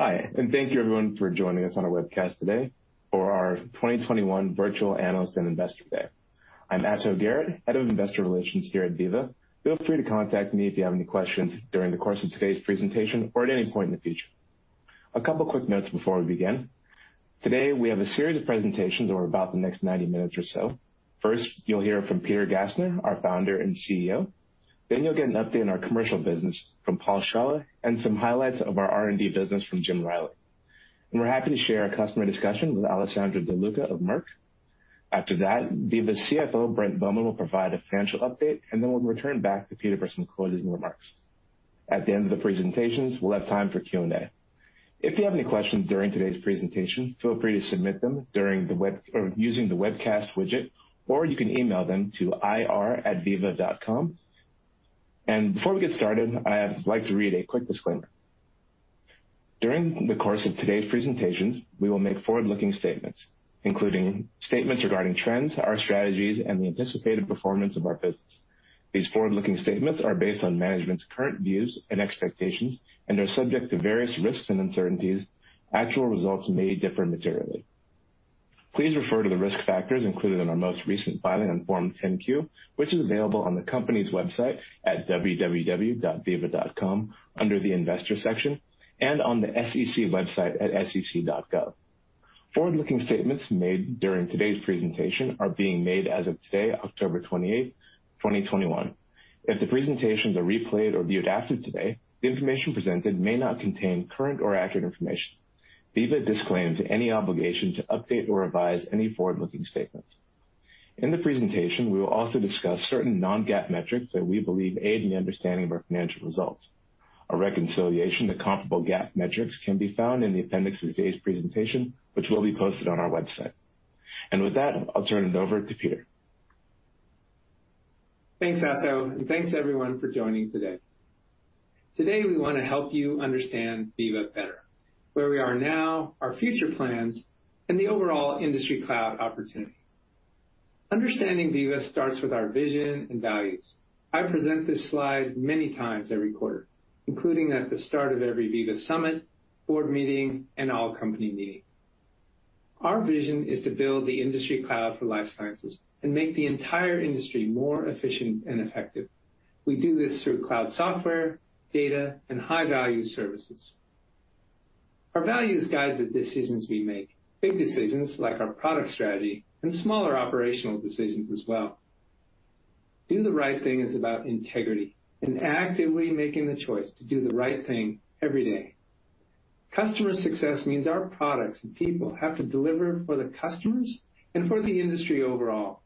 Hi, and thank you everyone for joining us on our webcast today for our 2021 Virtual Analyst and Investor Day. I'm Ato Garrett, Head of Investor Relations here at Veeva. Feel free to contact me if you have any questions during the course of today's presentation or at any point in the future. A couple quick notes before we begin. Today, we have a series of presentations over about the next 90 minutes or so. First, you'll hear from Peter Gassner, our Founder and CEO, then you'll get an update on our commercial business from Paul Shawah, and some highlights of our R&D business from Jim Reilly. We're happy to share a customer discussion with Alessandro De Luca of Merck. After that, Veeva CFO, Brent Bowman, will provide a financial update, and then we'll return back to Peter for some closing remarks. At the end of the presentations, we'll have time for Q&A. If you have any questions during today's presentation, feel free to submit them during the webcast or using the webcast widget, or you can email them to ir@veeva.com. Before we get started, I'd like to read a quick disclaimer. During the course of today's presentations, we will make forward-looking statements, including statements regarding trends, our strategies, and the anticipated performance of our business. These forward-looking statements are based on management's current views and expectations and are subject to various risks and uncertainties. Actual results may differ materially. Please refer to the risk factors included in our most recent filing on Form 10-Q, which is available on the company's website at www.veeva.com under the Investor section and on the SEC website at sec.gov. Forward-looking statements made during today's presentation are being made as of today, October 28, 2021. If the presentations are replayed or viewed after today, the information presented may not contain current or accurate information. Veeva disclaims any obligation to update or revise any forward-looking statements. In the presentation, we will also discuss certain non-GAAP metrics that we believe aid in the understanding of our financial results. A reconciliation to comparable GAAP metrics can be found in the appendix of today's presentation, which will be posted on our website. With that, I'll turn it over to Peter. Thanks, Ato, and thanks everyone for joining today. Today, we wanna help you understand Veeva better, where we are now, our future plans, and the overall industry cloud opportunity. Understanding Veeva starts with our vision and values. I present this slide many times every quarter, including at the start of every Veeva summit, board meeting, and all-company meeting. Our vision is to build the industry cloud for life sciences and make the entire industry more efficient and effective. We do this through cloud software, data, and high-value services. Our values guide the decisions we make, big decisions like our product strategy and smaller operational decisions as well. Do the right thing is about integrity and actively making the choice to do the right thing every day. Customer success means our products and people have to deliver for the customers and for the industry overall.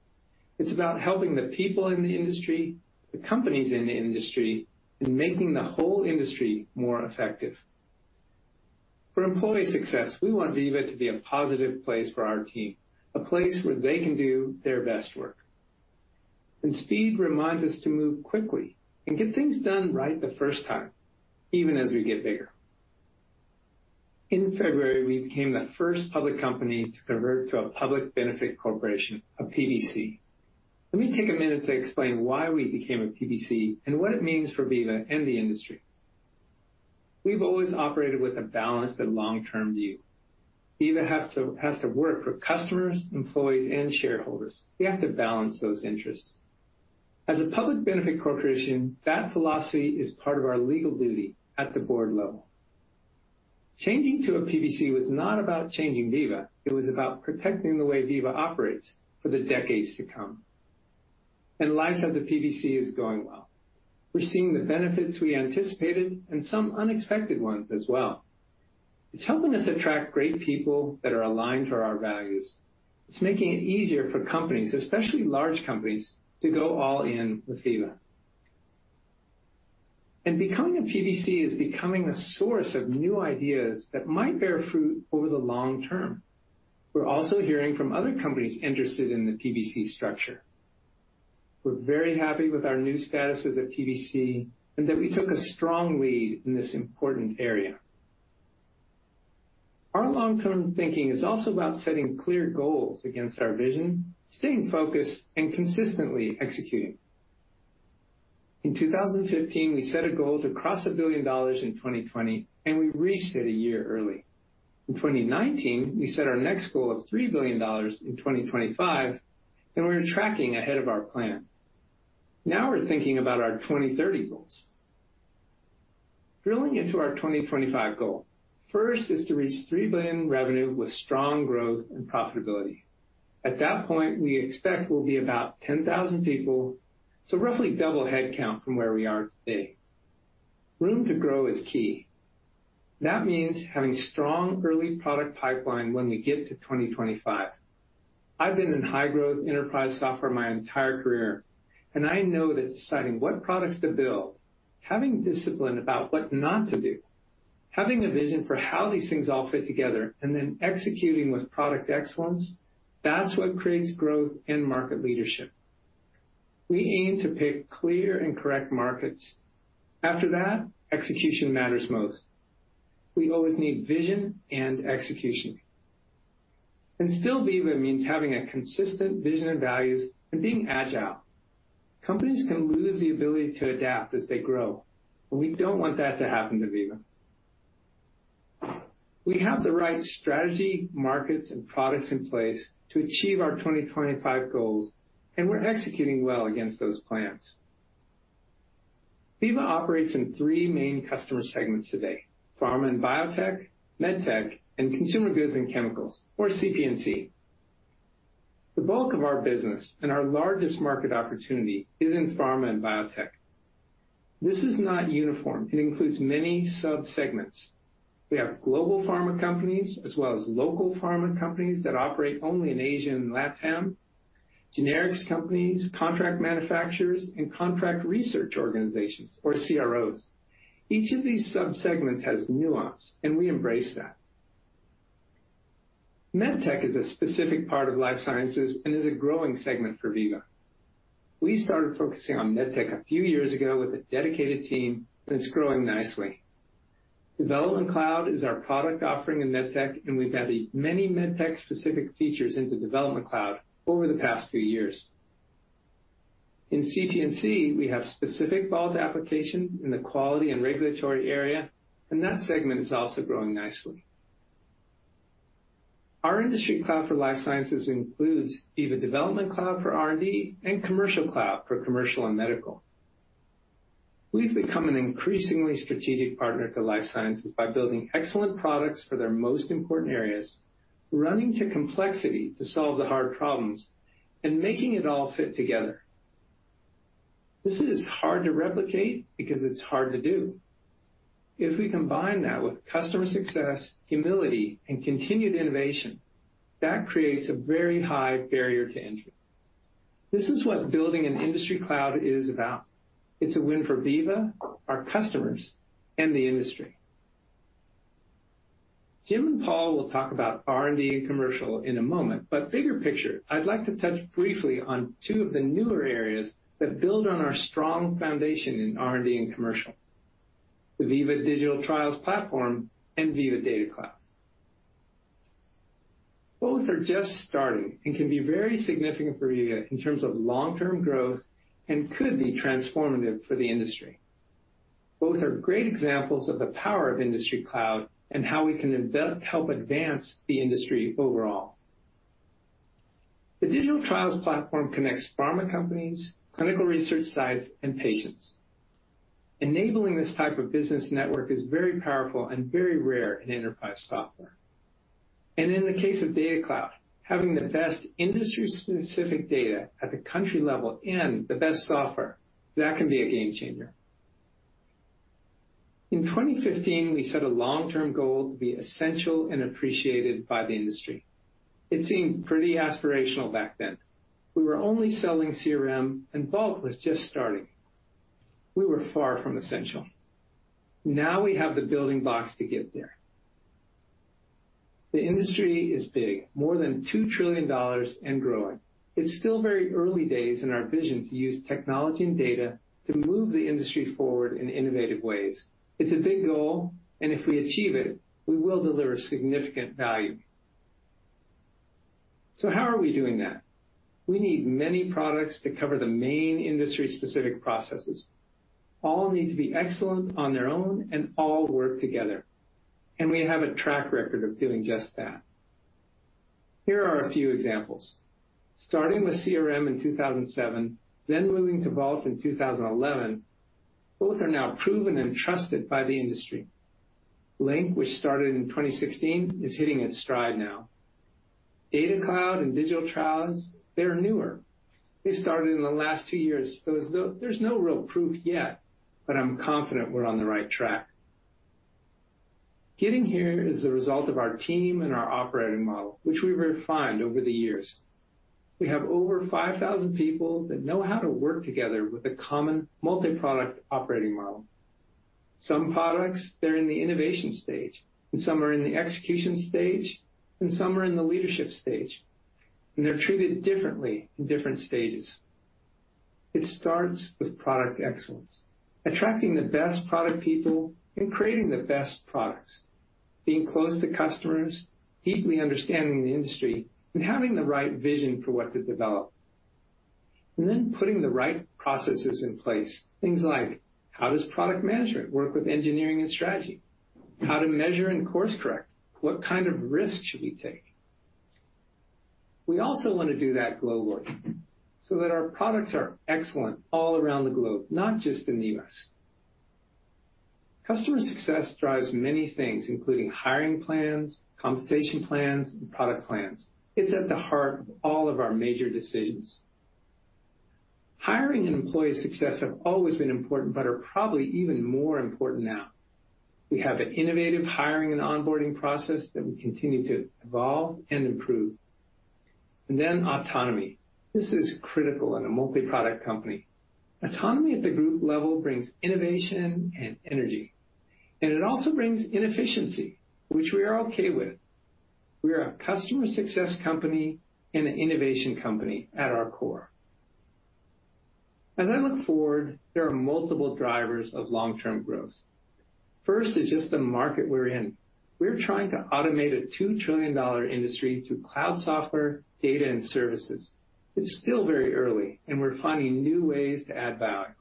It's about helping the people in the industry, the companies in the industry, and making the whole industry more effective. For employee success, we want Veeva to be a positive place for our team, a place where they can do their best work. Speed reminds us to move quickly and get things done right the first time, even as we get bigger. In February, we became the first public company to convert to a public benefit corporation, a PBC. Let me take a minute to explain why we became a PBC and what it means for Veeva and the industry. We've always operated with a balanced and long-term view. Veeva has to work for customers, employees, and shareholders. We have to balance those interests. As a public benefit corporation, that philosophy is part of our legal duty at the board level. Changing to a PBC was not about changing Veeva. It was about protecting the way Veeva operates for the decades to come. Life as a PBC is going well. We're seeing the benefits we anticipated and some unexpected ones as well. It's helping us attract great people that are aligned to our values. It's making it easier for companies, especially large companies, to go all in with Veeva. Becoming a PBC is becoming a source of new ideas that might bear fruit over the long term. We're also hearing from other companies interested in the PBC structure. We're very happy with our new status as a PBC and that we took a strong lead in this important area. Our long-term thinking is also about setting clear goals against our vision, staying focused, and consistently executing. In 2015, we set a goal to cross $1 billion in 2020, and we reached it a year early. In 2019, we set our next goal of $3 billion in 2025, and we're tracking ahead of our plan. Now we're thinking about our 2030 goals. Drilling into our 2025 goal, first is to reach $3 billion in revenue with strong growth and profitability. At that point, we expect we'll be about 10,000 people, so roughly double headcount from where we are today. Room to grow is key. That means having strong early product pipeline when we get to 2025. I've been in high-growth enterprise software my entire career, and I know that deciding what products to build, having discipline about what not to do, having a vision for how these things all fit together, and then executing with product excellence, that's what creates growth and market leadership. We aim to pick clear and correct markets. After that, execution matters most. We always need vision and execution. Still Veeva means having a consistent vision and values and being agile. Companies can lose the ability to adapt as they grow, but we don't want that to happen to Veeva. We have the right strategy, markets, and products in place to achieve our 2025 goals, and we're executing well against those plans. Veeva operates in three main customer segments today: pharma and biotech, med tech, and consumer goods and chemicals, or CPGC. The bulk of our business and our largest market opportunity is in pharma and biotech. This is not uniform. It includes many sub-segments. We have global pharma companies, as well as local pharma companies that operate only in Asia and LatAm, generics companies, contract manufacturers, and contract research organizations, or CROs. Each of these sub-segments has nuance, and we embrace that. Med tech is a specific part of life sciences and is a growing segment for Veeva. We started focusing on med tech a few years ago with a dedicated team that's growing nicely. Development Cloud is our product offering in med tech, and we've added many med tech-specific features into Development Cloud over the past few years. In CTNC, we have specific Vault applications in the quality and regulatory area, and that segment is also growing nicely. Our industry cloud for life sciences includes Veeva Development Cloud for R&D and Commercial Cloud for commercial and medical. We've become an increasingly strategic partner to life sciences by building excellent products for their most important areas, running to complexity to solve the hard problems, and making it all fit together. This is hard to replicate because it's hard to do. If we combine that with customer success, humility, and continued innovation, that creates a very high barrier to entry. This is what building an industry cloud is about. It's a win for Veeva, our customers, and the industry. Jim and Paul will talk about R&D and commercial in a moment. Bigger picture, I'd like to touch briefly on two of the newer areas that build on our strong foundation in R&D and commercial, the Veeva Digital Trials Platform and Veeva Data Cloud. Both are just starting and can be very significant for Veeva in terms of long-term growth and could be transformative for the industry. Both are great examples of the power of industry cloud and how we can help advance the industry overall. The Digital Trials Platform connects pharma companies, clinical research sites, and patients. Enabling this type of business network is very powerful and very rare in enterprise software. In the case of Data Cloud, having the best industry-specific data at the country level and the best software, that can be a game changer. In 2015, we set a long-term goal to be essential and appreciated by the industry. It seemed pretty aspirational back then. We were only selling CRM, and Vault was just starting. We were far from essential. Now we have the building blocks to get there. The industry is big, more than $2 trillion and growing. It's still very early days in our vision to use technology and data to move the industry forward in innovative ways. It's a big goal, and if we achieve it, we will deliver significant value. How are we doing that? We need many products to cover the main industry-specific processes. All need to be excellent on their own and all work together, and we have a track record of doing just that. Here are a few examples. Starting with CRM in 2007, then moving to Vault in 2011, both are now proven and trusted by the industry. Link, which started in 2016, is hitting its stride now. Data Cloud and Digital Trials, they're newer. They started in the last two years, so there's no real proof yet, but I'm confident we're on the right track. Getting here is the result of our team and our operating model, which we refined over the years. We have over 5,000 people that know how to work together with a common multi-product operating model. Some products, they're in the innovation stage, and some are in the execution stage, and some are in the leadership stage, and they're treated differently in different stages. It starts with product excellence, attracting the best product people and creating the best products, being close to customers, deeply understanding the industry, and having the right vision for what to develop. Then putting the right processes in place. Things like, how does product management work with engineering and strategy? How to measure and course correct? What kind of risks should we take? We also want to do that globally so that our products are excellent all around the globe, not just in the U.S. Customer success drives many things, including hiring plans, compensation plans, and product plans. It's at the heart of all of our major decisions. Hiring and employee success have always been important but are probably even more important now. We have an innovative hiring and onboarding process that we continue to evolve and improve. Autonomy. This is critical in a multi-product company. Autonomy at the group level brings innovation and energy, and it also brings inefficiency, which we are okay with. We are a customer success company and an innovation company at our core. As I look forward, there are multiple drivers of long-term growth. First is just the market we're in. We're trying to automate a $2 trillion industry through cloud software, data, and services. It's still very early, and we're finding new ways to add value.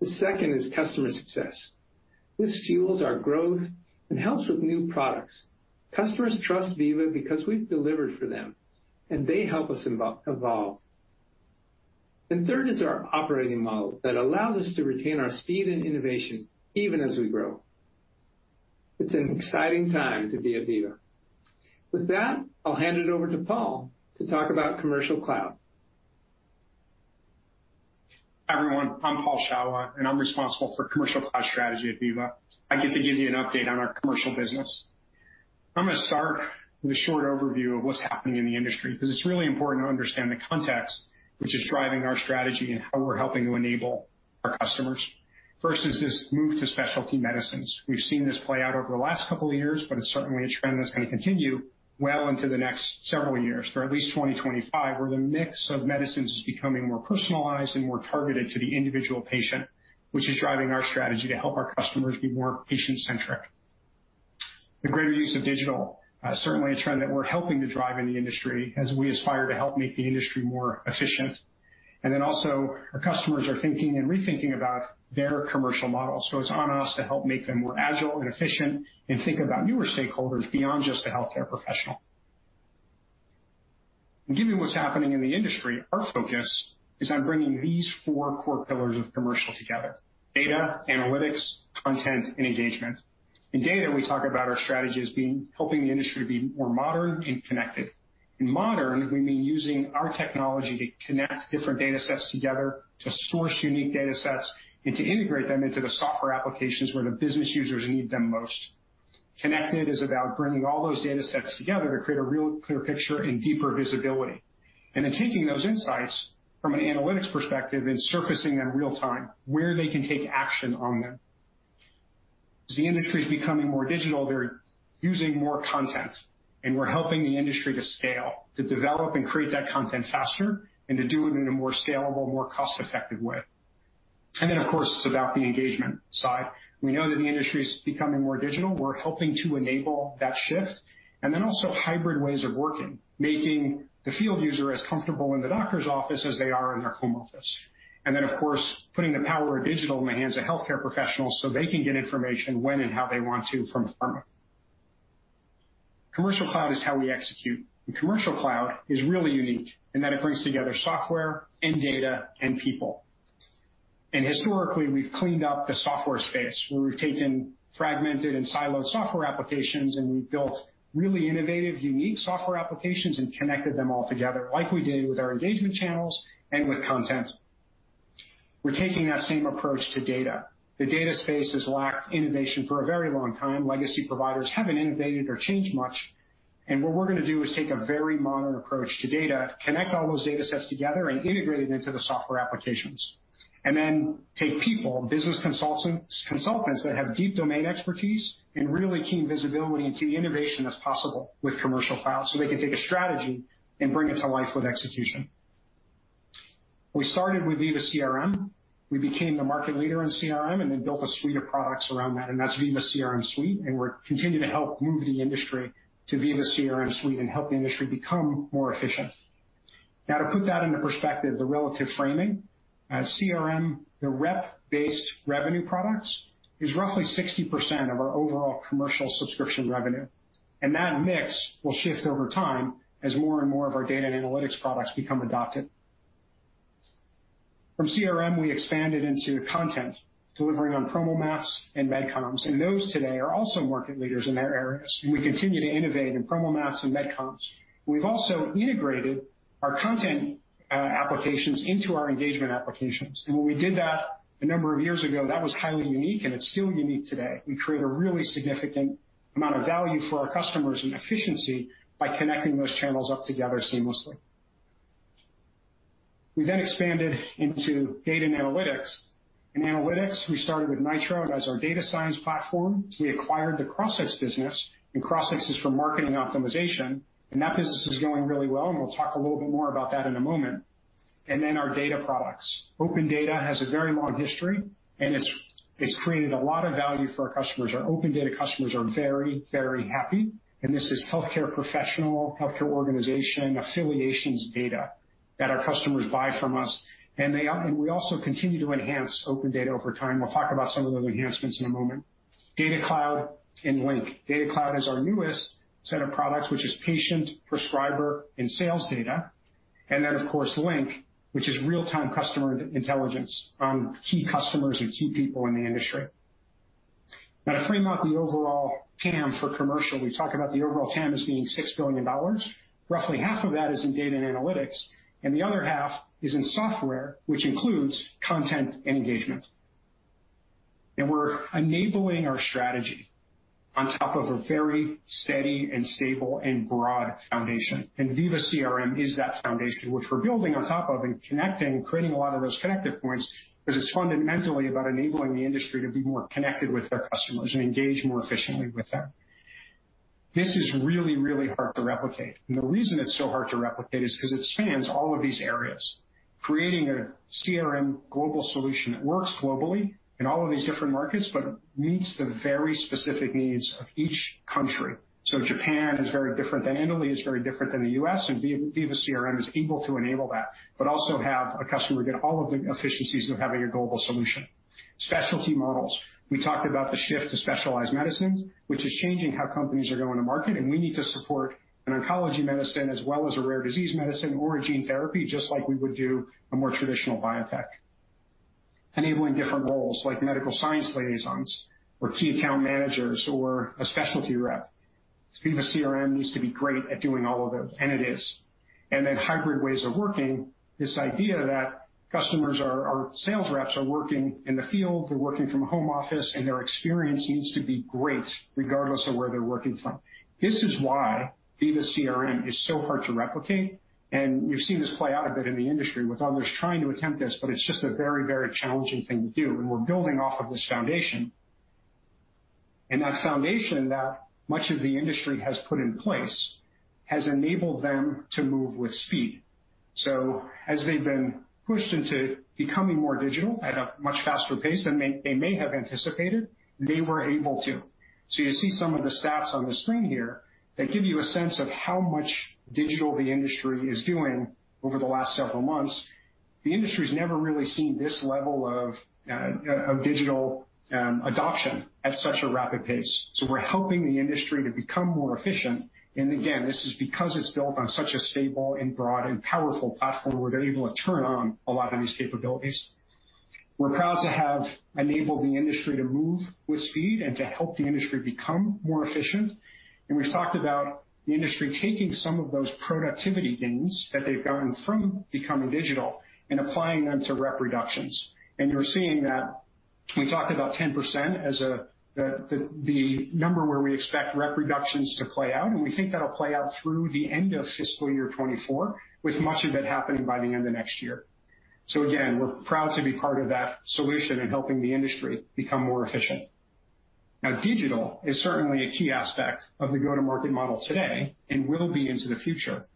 The second is customer success. This fuels our growth and helps with new products. Customers trust Veeva because we've delivered for them, and they help us evolve. Third is our operating model that allows us to retain our speed and innovation even as we grow. It's an exciting time to be at Veeva. With that, I'll hand it over to Paul to talk about Commercial Cloud. Hi, everyone. I'm Paul Shawah, and I'm responsible for Commercial Cloud Strategy at Veeva. I get to give you an update on our commercial business. I'm gonna start with a short overview of what's happening in the industry 'cause it's really important to understand the context which is driving our strategy and how we're helping to enable our customers. First is this move to specialty medicines. We've seen this play out over the last couple of years, but it's certainly a trend that's gonna continue well into the next several years, through at least 2025, where the mix of medicines is becoming more personalized and more targeted to the individual patient, which is driving our strategy to help our customers be more patient-centric. The greater use of digital certainly a trend that we're helping to drive in the industry as we aspire to help make the industry more efficient. Then also our customers are thinking and rethinking about their commercial model, so it's on us to help make them more agile and efficient and think about newer stakeholders beyond just the healthcare professional. Given what's happening in the industry, our focus is on bringing these four core pillars of commercial together, data, analytics, content, and engagement. In data, we talk about our strategy as being helping the industry be more modern and connected. In modern, we mean using our technology to connect different data sets together, to source unique data sets, and to integrate them into the software applications where the business users need them most. Connected is about bringing all those data sets together to create a real clear picture and deeper visibility, and then taking those insights from an analytics perspective and surfacing them real time where they can take action on them. As the industry is becoming more digital, they're using more content, and we're helping the industry to scale, to develop and create that content faster and to do it in a more scalable, more cost-effective way. Of course, it's about the engagement side. We know that the industry is becoming more digital. We're helping to enable that shift and then also hybrid ways of working, making the field user as comfortable in the doctor's office as they are in their home office. Then, of course, putting the power of digital in the hands of healthcare professionals so they can get information when and how they want to from a pharma. Commercial Cloud is how we execute. Commercial Cloud is really unique in that it brings together software and data and people. Historically, we've cleaned up the software space where we've taken fragmented and siloed software applications, and we've built really innovative, unique software applications and connected them all together, like we did with our engagement channels and with content. We're taking that same approach to data. The data space has lacked innovation for a very long time. Legacy providers haven't innovated or changed much. What we're gonna do is take a very modern approach to data, connect all those data sets together, and integrate it into the software applications. Take people, business consultants that have deep domain expertise and really key visibility into the innovation that's possible with Veeva Commercial Cloud, so they can take a strategy and bring it to life with execution. We started with Veeva CRM. We became the market leader in CRM and then built a suite of products around that, and that's Veeva CRM Suite, and we're continuing to help move the industry to Veeva CRM Suite and help the industry become more efficient. Now to put that into perspective, the relative framing, CRM, the rep-based revenue products, is roughly 60% of our overall commercial subscription revenue. That mix will shift over time as more and more of our data and analytics products become adopted. From CRM, we expanded into content, delivering on PromoMats and MedComms, and those today are also market leaders in their areas. We continue to innovate in PromoMats and MedComms. We've also integrated our content, applications into our engagement applications. When we did that a number of years ago, that was highly unique, and it's still unique today. We create a really significant amount of value for our customers and efficiency by connecting those channels up together seamlessly. We expanded into data and analytics. In analytics, we started with Nitro as our data science platform. We acquired the Crossix business, and Crossix is for marketing optimization. That business is going really well, and we'll talk a little bit more about that in a moment. Our data products. OpenData has a very long history, and it's created a lot of value for our customers. Our OpenData customers are very, very happy, and this is healthcare professional, healthcare organization, affiliations data that our customers buy from us. We also continue to enhance OpenData over time. We'll talk about some of those enhancements in a moment. Data Cloud and Link. Data Cloud is our newest set of products, which is patient, prescriber, and sales data. Then, of course, Link, which is real-time customer intelligence on key customers or key people in the industry. Now to frame out the overall TAM for commercial, we talk about the overall TAM as being $6 billion. Roughly half of that is in data and analytics, and the other half is in software, which includes content and engagement. We're enabling our strategy on top of a very steady and stable and broad foundation. Veeva CRM is that foundation which we're building on top of and connecting and creating a lot of those connective points because it's fundamentally about enabling the industry to be more connected with their customers and engage more efficiently with them. This is really, really hard to replicate. The reason it's so hard to replicate is 'cause it spans all of these areas, creating a CRM global solution that works globally in all of these different markets, but meets the very specific needs of each country. Japan is very different than Italy is very different than the U.S., and Veeva CRM is able to enable that, but also have a customer get all of the efficiencies of having a global solution. Specialty models. We talked about the shift to specialized medicines, which is changing how companies are going to market, and we need to support an oncology medicine as well as a rare disease medicine or a gene therapy, just like we would do a more traditional biotech, enabling different roles like medical science liaisons or key account managers or a specialty rep. Veeva CRM needs to be great at doing all of it, and it is. Then hybrid ways of working, this idea that sales reps are working in the field, they're working from a home office, and their experience needs to be great regardless of where they're working from. This is why Veeva CRM is so hard to replicate, and you've seen this play out a bit in the industry with others trying to attempt this, but it's just a very, very challenging thing to do. We're building off of this foundation, and that foundation that much of the industry has put in place has enabled them to move with speed. As they've been pushed into becoming more digital at a much faster pace than they may have anticipated, they were able to. You see some of the stats on the screen here that give you a sense of how much digital the industry is doing over the last several months. The industry's never really seen this level of digital adoption at such a rapid pace. We're helping the industry to become more efficient. Again, this is because it's built on such a stable and broad and powerful platform where they're able to turn on a lot of these capabilities. We're proud to have enabled the industry to move with speed and to help the industry become more efficient. We've talked about the industry taking some of those productivity gains that they've gotten from becoming digital and applying them to rep reductions. You're seeing that we talked about 10% as the number where we expect rep reductions to play out, and we think that'll play out through the end of fiscal year 2024, with much of it happening by the end of next year. Again, we're proud to be part of that solution in helping the industry become more efficient. Now, digital is certainly a key aspect of the go-to-market model today and will be into the future.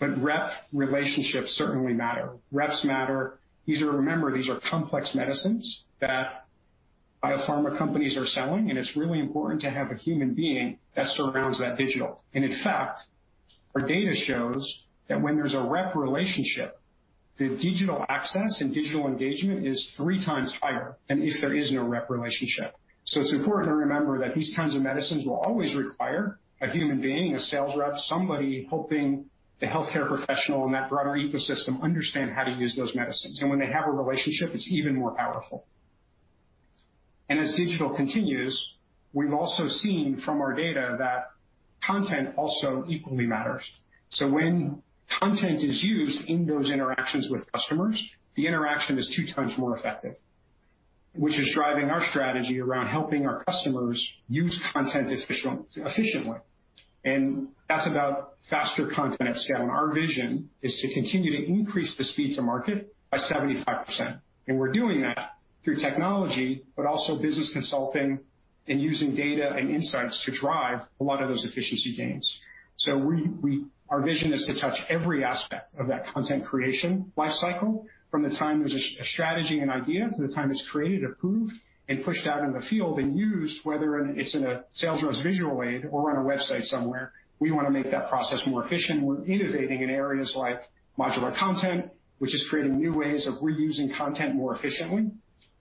But rep relationships certainly matter. Reps matter. These are. Remember, these are complex medicines that biopharma companies are selling, and it's really important to have a human being that surrounds that digital. In fact, our data shows that when there's a rep relationship, the digital access and digital engagement is three times higher than if there is no rep relationship. It's important to remember that these kinds of medicines will always require a human being, a sales rep, somebody helping the healthcare professional in that broader ecosystem understand how to use those medicines. When they have a relationship, it's even more powerful. As digital continues, we've also seen from our data that content also equally matters. When content is used in those interactions with customers, the interaction is two times more effective, which is driving our strategy around helping our customers use content efficiently. That's about faster content at scale. Our vision is to continue to increase the speed to market by 75%. We're doing that through technology, but also business consulting and using data and insights to drive a lot of those efficiency gains. Our vision is to touch every aspect of that content creation lifecycle from the time there's a strategy and idea to the time it's created, approved, and pushed out in the field and used, whether it's in a sales rep's visual aid or on a website somewhere. We wanna make that process more efficient. We're innovating in areas like modular content, which is creating new ways of reusing content more efficiently,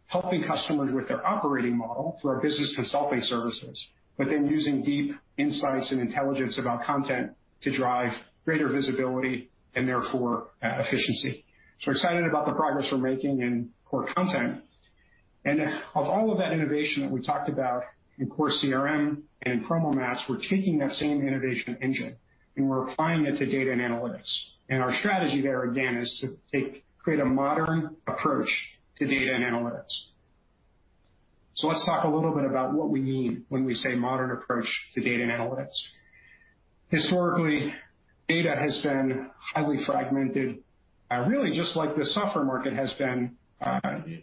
helping customers with their operating model through our business consulting services, but then using deep insights and intelligence about content to drive greater visibility and therefore efficiency. We're excited about the progress we're making in core content. Of all of that innovation that we talked about in core CRM and PromoMats, we're taking that same innovation engine, and we're applying it to data and analytics. Our strategy there, again, is to create a modern approach to data and analytics. Let's talk a little bit about what we mean when we say modern approach to data and analytics. Historically, data has been highly fragmented, really just like the software market has been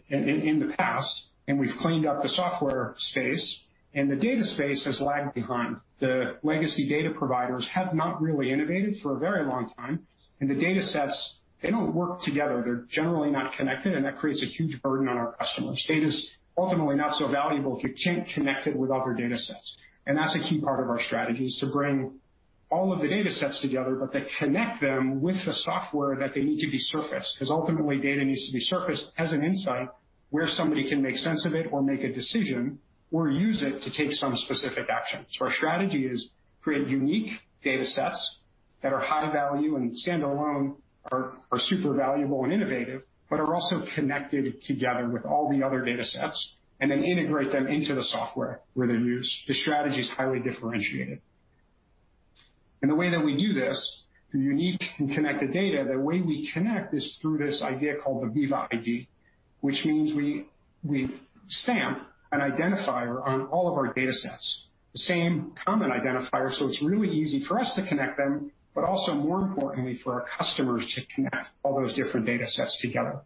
in the past, and we've cleaned up the software space, and the data space has lagged behind. The legacy data providers have not really innovated for a very long time, and the datasets, they don't work together. They're generally not connected, and that creates a huge burden on our customers. Data's ultimately not so valuable if you can't connect it with other datasets. That's a key part of our strategy, is to bring all of the datasets together, but to connect them with the software that they need to be surfaced, 'cause ultimately, data needs to be surfaced as an insight where somebody can make sense of it or make a decision, or use it to take some specific action. Our strategy is create unique datasets that are high value and standalone are super valuable and innovative, but are also connected together with all the other datasets, and then integrate them into the software where they're used. The strategy is highly differentiated. The way that we do this, the unique and connected data, the way we connect is through this idea called the Veeva ID, which means we stamp an identifier on all of our datasets, the same common identifier, so it's really easy for us to connect them, but also more importantly, for our customers to connect all those different datasets together.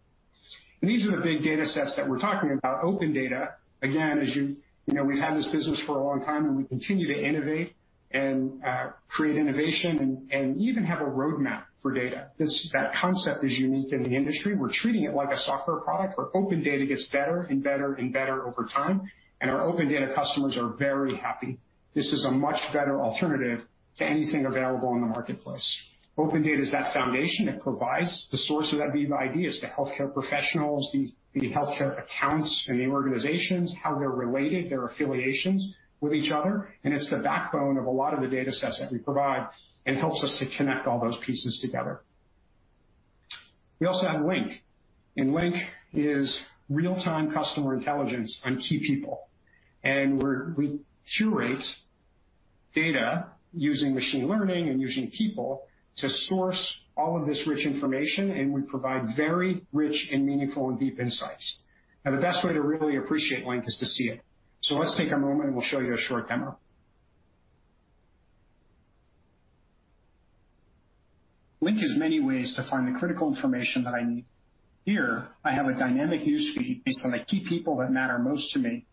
These are the big datasets that we're talking about, OpenData. Again, as you know, we've had this business for a long time, and we continue to innovate and create innovation and even have a roadmap for data. That concept is unique in the industry. We're treating it like a software product, where OpenData gets better and better and better over time, and our OpenData customers are very happy. This is a much better alternative to anything available in the marketplace. OpenData is that foundation. It provides the source of that Veeva ID is the healthcare professionals, the healthcare accounts and the organizations, how they're related, their affiliations with each other, and it's the backbone of a lot of the datasets that we provide and helps us to connect all those pieces together. We also have Link, and Link is real-time customer intelligence on key people. We curate data using machine learning and using people to source all of this rich information, and we provide very rich and meaningful and deep insights. Now, the best way to really appreciate Link is to see it. Let's take a moment, and we'll show you a short demo. Link has many ways to find the critical information that I need. Here, I have a dynamic news feed based on the key people that matter most to me.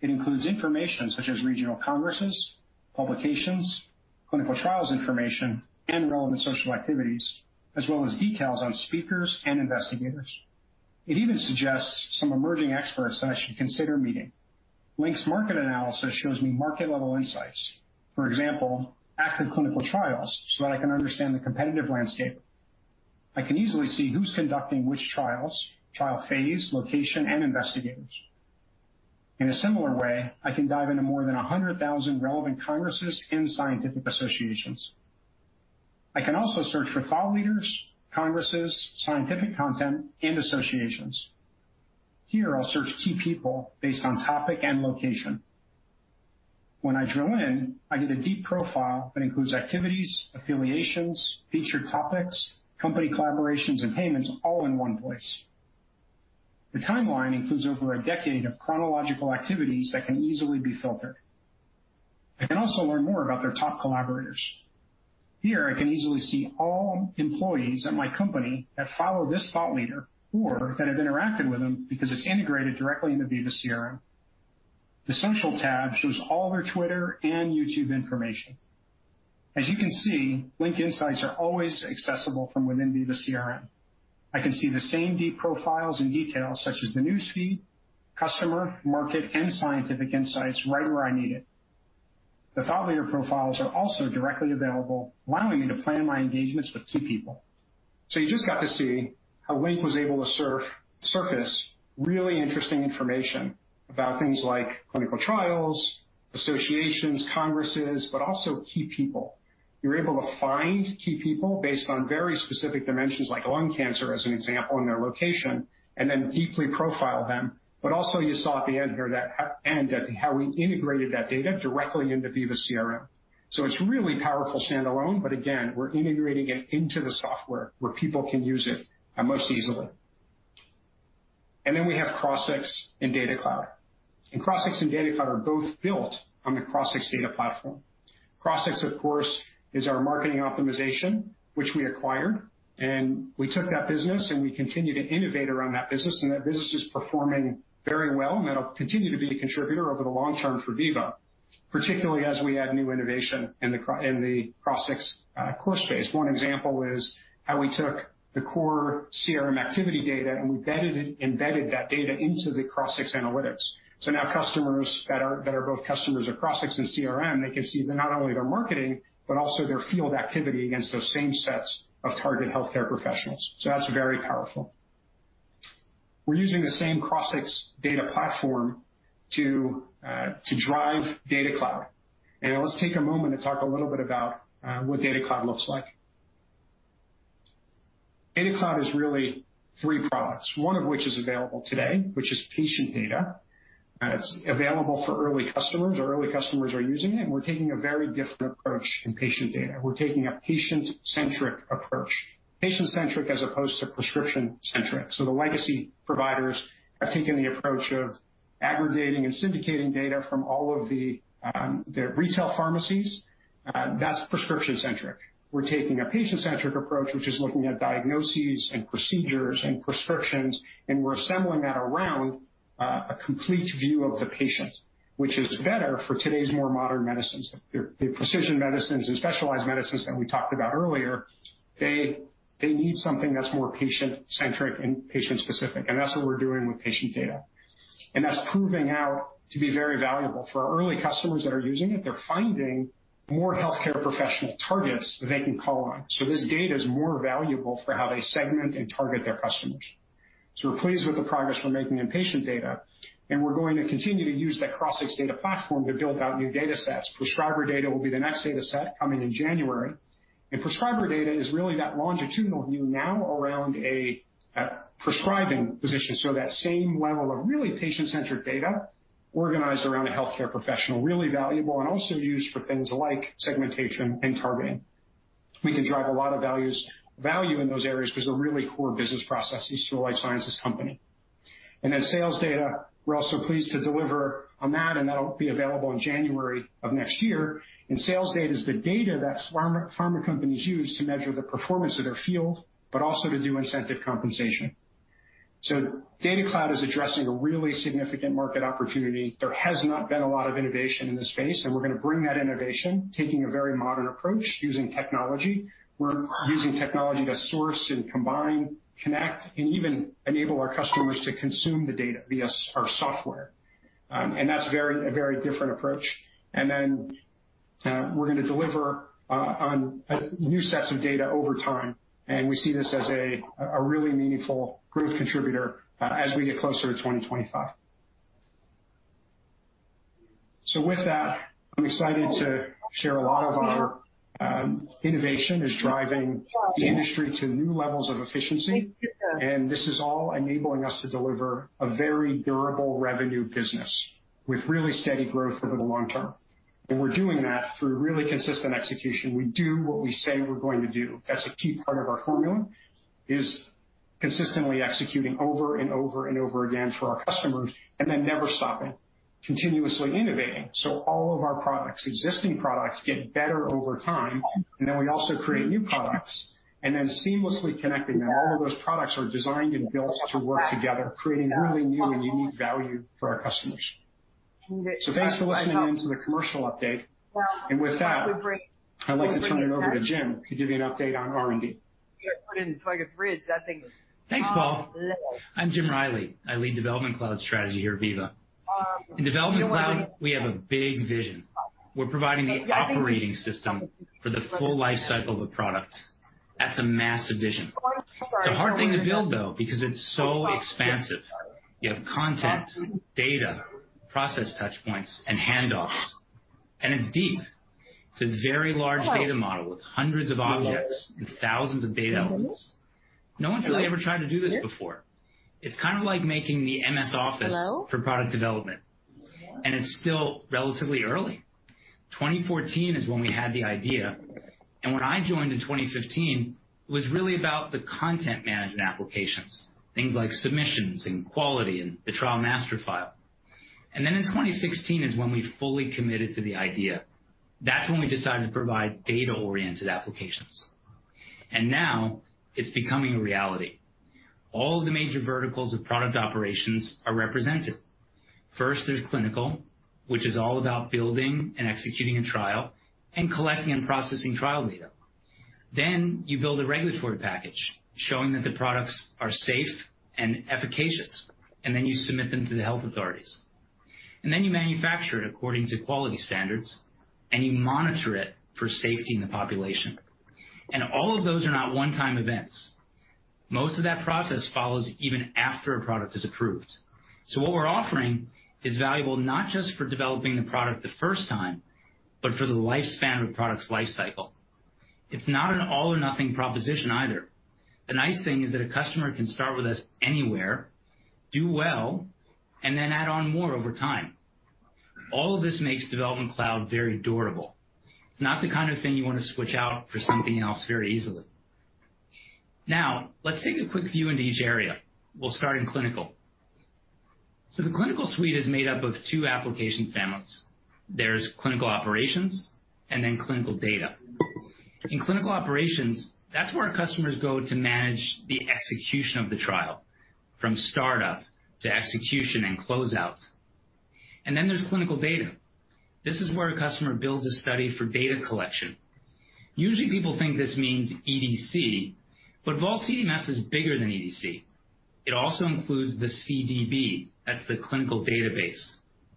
It includes information such as regional congresses, publications, clinical trials information, and relevant social activities, as well as details on speakers and investigators. It even suggests some emerging experts that I should consider meeting. Link's market analysis shows me market-level insights. For example, active clinical trials, so that I can understand the competitive landscape. I can easily see who's conducting which trials, trial phase, location, and investigators. In a similar way, I can dive into more than 100,000 relevant congresses and scientific associations. I can also search for thought leaders, congresses, scientific content, and associations. Here, I'll search key people based on topic and location. When I drill in, I get a deep profile that includes activities, affiliations, featured topics, company collaborations, and payments all in one place. The timeline includes over a decade of chronological activities that can easily be filtered. I can also learn more about their top collaborators. Here, I can easily see all employees at my company that follow this thought leader or that have interacted with them because it's integrated directly into Veeva CRM. The Social tab shows all their Twitter and YouTube information. As you can see, Link insights are always accessible from within Veeva CRM. I can see the same deep profiles and details such as the news feed, customer, market, and scientific insights right where I need it. The thought leader profiles are also directly available, allowing me to plan my engagements with key people. You just got to see how Link was able to surface really interesting information about things like clinical trials, associations, congresses, but also key people. You're able to find key people based on very specific dimensions like lung cancer as an example, and their location, and then deeply profile them. Also, you saw at the end there that, and how we integrated that data directly into Veeva CRM. It's really powerful standalone, but again, we're integrating it into the software where people can use it most easily. Then we have Crossix and Data Cloud. Crossix and Data Cloud are both built on the Crossix data platform. Crossix, of course, is our marketing optimization, which we acquired, and we took that business and we continued to innovate around that business, and that business is performing very well and that'll continue to be a contributor over the long term for Veeva, particularly as we add new innovation in the Crossix core space. One example is how we took the core CRM activity data, and we embedded that data into the Crossix analytics. Now customers that are both customers of Crossix and CRM, they can see not only their marketing but also their field activity against those same sets of targeted healthcare professionals. That's very powerful. We're using the same Crossix data platform to drive Data Cloud. Let's take a moment to talk a little bit about what Data Cloud looks like. Data Cloud is really three products, one of which is available today, which is patient data. It's available for early customers. Our early customers are using it, and we're taking a very different approach in patient data. We're taking a patient-centric approach as opposed to prescription-centric. The legacy providers have taken the approach of aggregating and syndicating data from all of their retail pharmacies. That's prescription-centric. We're taking a patient-centric approach, which is looking at diagnoses and procedures and prescriptions, and we're assembling that around a complete view of the patient, which is better for today's more modern medicines. The precision medicines and specialized medicines that we talked about earlier, they need something that's more patient-centric and patient-specific, and that's what we're doing with patient data. That's proving out to be very valuable for our early customers that are using it. They're finding more healthcare professional targets that they can call on. This data is more valuable for how they segment and target their customers. We're pleased with the progress we're making in patient data, and we're going to continue to use that Crossix Data Platform to build out new datasets. Prescriber data will be the next dataset coming in January. Prescriber data is really that longitudinal view now around a prescribing physician. That same level of really patient-centric data organized around a healthcare professional. Really valuable and also used for things like segmentation and targeting. We can drive a lot of value in those areas 'cause they're really core business processes to a life sciences company. Then sales data, we're also pleased to deliver on that, and that'll be available in January of next year. Sales data is the data that pharma companies use to measure the performance of their field, but also to do incentive compensation. Data Cloud is addressing a really significant market opportunity. There has not been a lot of innovation in this space, and we're gonna bring that innovation, taking a very modern approach using technology. We're using technology to source and combine, connect, and even enable our customers to consume the data via our software. That's a very different approach. We're gonna deliver on new sets of data over time, and we see this as a really meaningful growth contributor as we get closer to 2025. I'm excited to share a lot of our innovation is driving the industry to new levels of efficiency. This is all enabling us to deliver a very durable revenue business with really steady growth over the long term. We're doing that through really consistent execution. We do what we say we're going to do. That's a key part of our formula is consistently executing over and over and over again for our customers and then never stopping, continuously innovating. All of our products, existing products, get better over time. Then we also create new products and then seamlessly connecting them. All of those products are designed and built to work together, creating really new and unique value for our customers. Thanks for listening in to the commercial update. With that, I'd like to turn it over to Jim. He'll give you an update on R&D. Thanks, Paul. I'm Jim Reilly. I lead Development Cloud strategy here at Veeva. In Development Cloud, we have a big vision. We're providing the operating system for the full lifecycle of a product. That's a massive vision. It's a hard thing to build though, because it's so expansive. You have content, data, process touch points, and handoffs, and it's deep. It's a very large data model with hundreds of objects and thousands of data elements. No one's really ever tried to do this before. It's kind of like making the MS Office for product development, and it's still relatively early. 2014 is when we had the idea, and when I joined in 2015, it was really about the content management applications, things like submissions and quality and the trial master file. In 2016 is when we fully committed to the idea. That's when we decided to provide data-oriented applications. Now it's becoming a reality. All of the major verticals of product operations are represented. First, there's clinical, which is all about building and executing a trial and collecting and processing trial data. You build a regulatory package showing that the products are safe and efficacious, and then you submit them to the health authorities. You manufacture it according to quality standards, and you monitor it for safety in the population. All of those are not one-time events. Most of that process follows even after a product is approved. What we're offering is valuable not just for developing the product the first time, but for the lifespan of a product's life cycle. It's not an all or nothing proposition either. The nice thing is that a customer can start with us anywhere, do well, and then add on more over time. All of this makes Development Cloud very durable. It's not the kind of thing you wanna switch out for something else very easily. Now, let's take a quick view into each area. We'll start in clinical. The clinical suite is made up of two application families. There's clinical operations and then clinical data. In clinical operations, that's where customers go to manage the execution of the trial from startup to execution and closeout. Then there's clinical data. This is where a customer builds a study for data collection. Usually, people think this means EDC, but Vault CDMS is bigger than EDC. It also includes the CDB. That's the clinical database,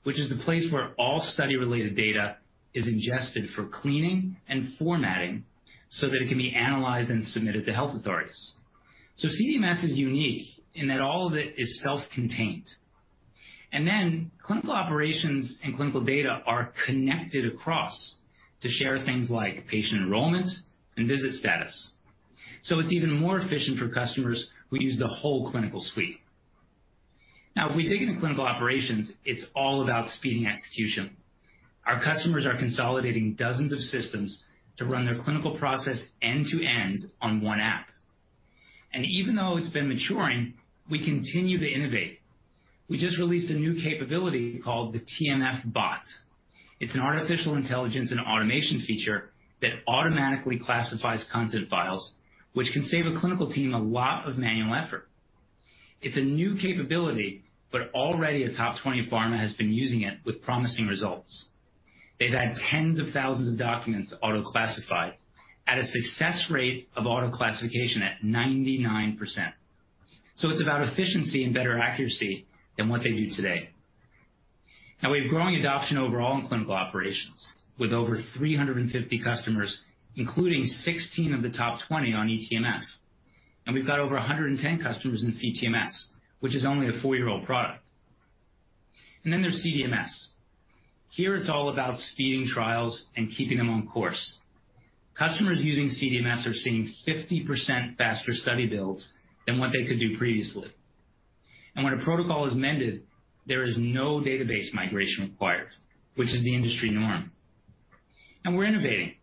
which is the place where all study-related data is ingested for cleaning and formatting so that it can be analyzed and submitted to health authorities. CDMS is unique in that all of it is self-contained. Clinical operations and clinical data are connected across to share things like patient enrollment and visit status. It's even more efficient for customers who use the whole clinical suite. If we dig into clinical operations, it's all about speeding execution. Our customers are consolidating dozens of systems to run their clinical process end to end on one app. Even though it's been maturing, we continue to innovate. We just released a new capability called the TMF Bot. It's an artificial intelligence and automation feature that automatically classifies content files, which can save a clinical team a lot of manual effort. It's a new capability, but already a top 20 pharma has been using it with promising results. They've had tens of thousands of documents auto-classified at a success rate of auto-classification at 99%. It's about efficiency and better accuracy than what they do today. We have growing adoption overall in clinical operations with over 350 customers, including 16 of the top 20 on eTMF. We've got over 110 customers in CTMS, which is only a 4-year-old product. Then there's CDMS. Here, it's all about speeding trials and keeping them on course. Customers using CDMS are seeing 50% faster study builds than what they could do previously. When a protocol is mended, there is no database migration required, which is the industry norm. We're innovating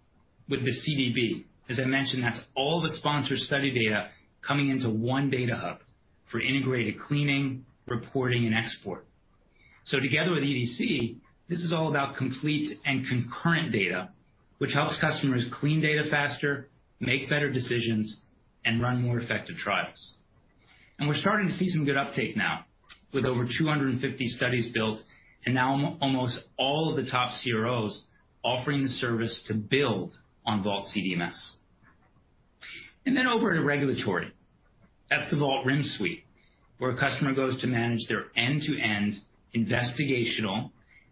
with the CDB. As I mentioned, that's all the sponsor study data coming into one data hub for integrated cleaning, reporting, and export. Together with EDC, this is all about complete and concurrent data, which helps customers clean data faster, make better decisions, and run more effective trials. We're starting to see some good uptake now with over 250 studies built and now almost all of the top CROs offering the service to build on Vault CDMS. Over to regulatory. That's the Vault RIM Suite, where a customer goes to manage their end-to-end investigational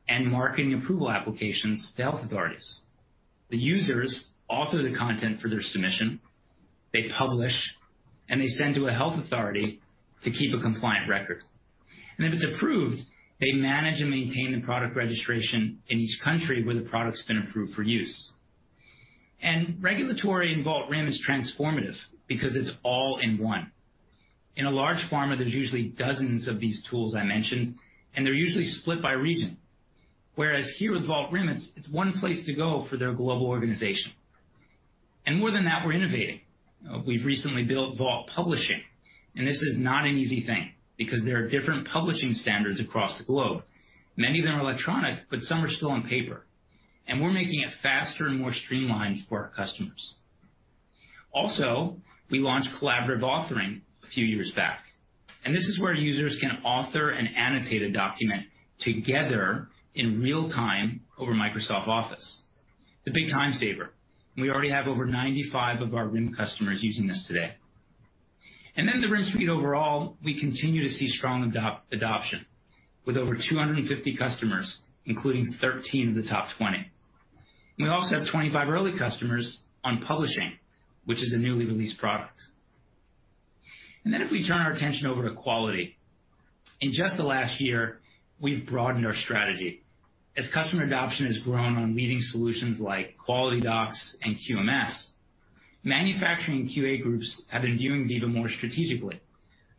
and marketing approval applications to health authorities. The users author the content for their submission, they publish, and they send to a health authority to keep a compliant record. If it's approved, they manage and maintain the product registration in each country where the product's been approved for use. Regulatory in Vault RIM is transformative because it's all in one. In a large pharma, there's usually dozens of these tools I mentioned, and they're usually split by region. Whereas here with Vault RIM, it's one place to go for their global organization. More than that, we're innovating. We've recently built Vault Publishing, and this is not an easy thing because there are different publishing standards across the globe. Many of them are electronic, but some are still on paper. We're making it faster and more streamlined for our customers. Also, we launched collaborative authoring a few years back, and this is where users can author and annotate a document together in real-time over Microsoft Office. It's a big time saver, and we already have over 95 of our RIM customers using this today. The RIM Suite overall, we continue to see strong adoption with over 250 customers, including 13 of the top 20. We also have 25 early customers on publishing, which is a newly released product. If we turn our attention over to quality. In just the last year, we've broadened our strategy. As customer adoption has grown on leading solutions like QualityDocs and QMS, manufacturing QA groups have been viewing Veeva more strategically,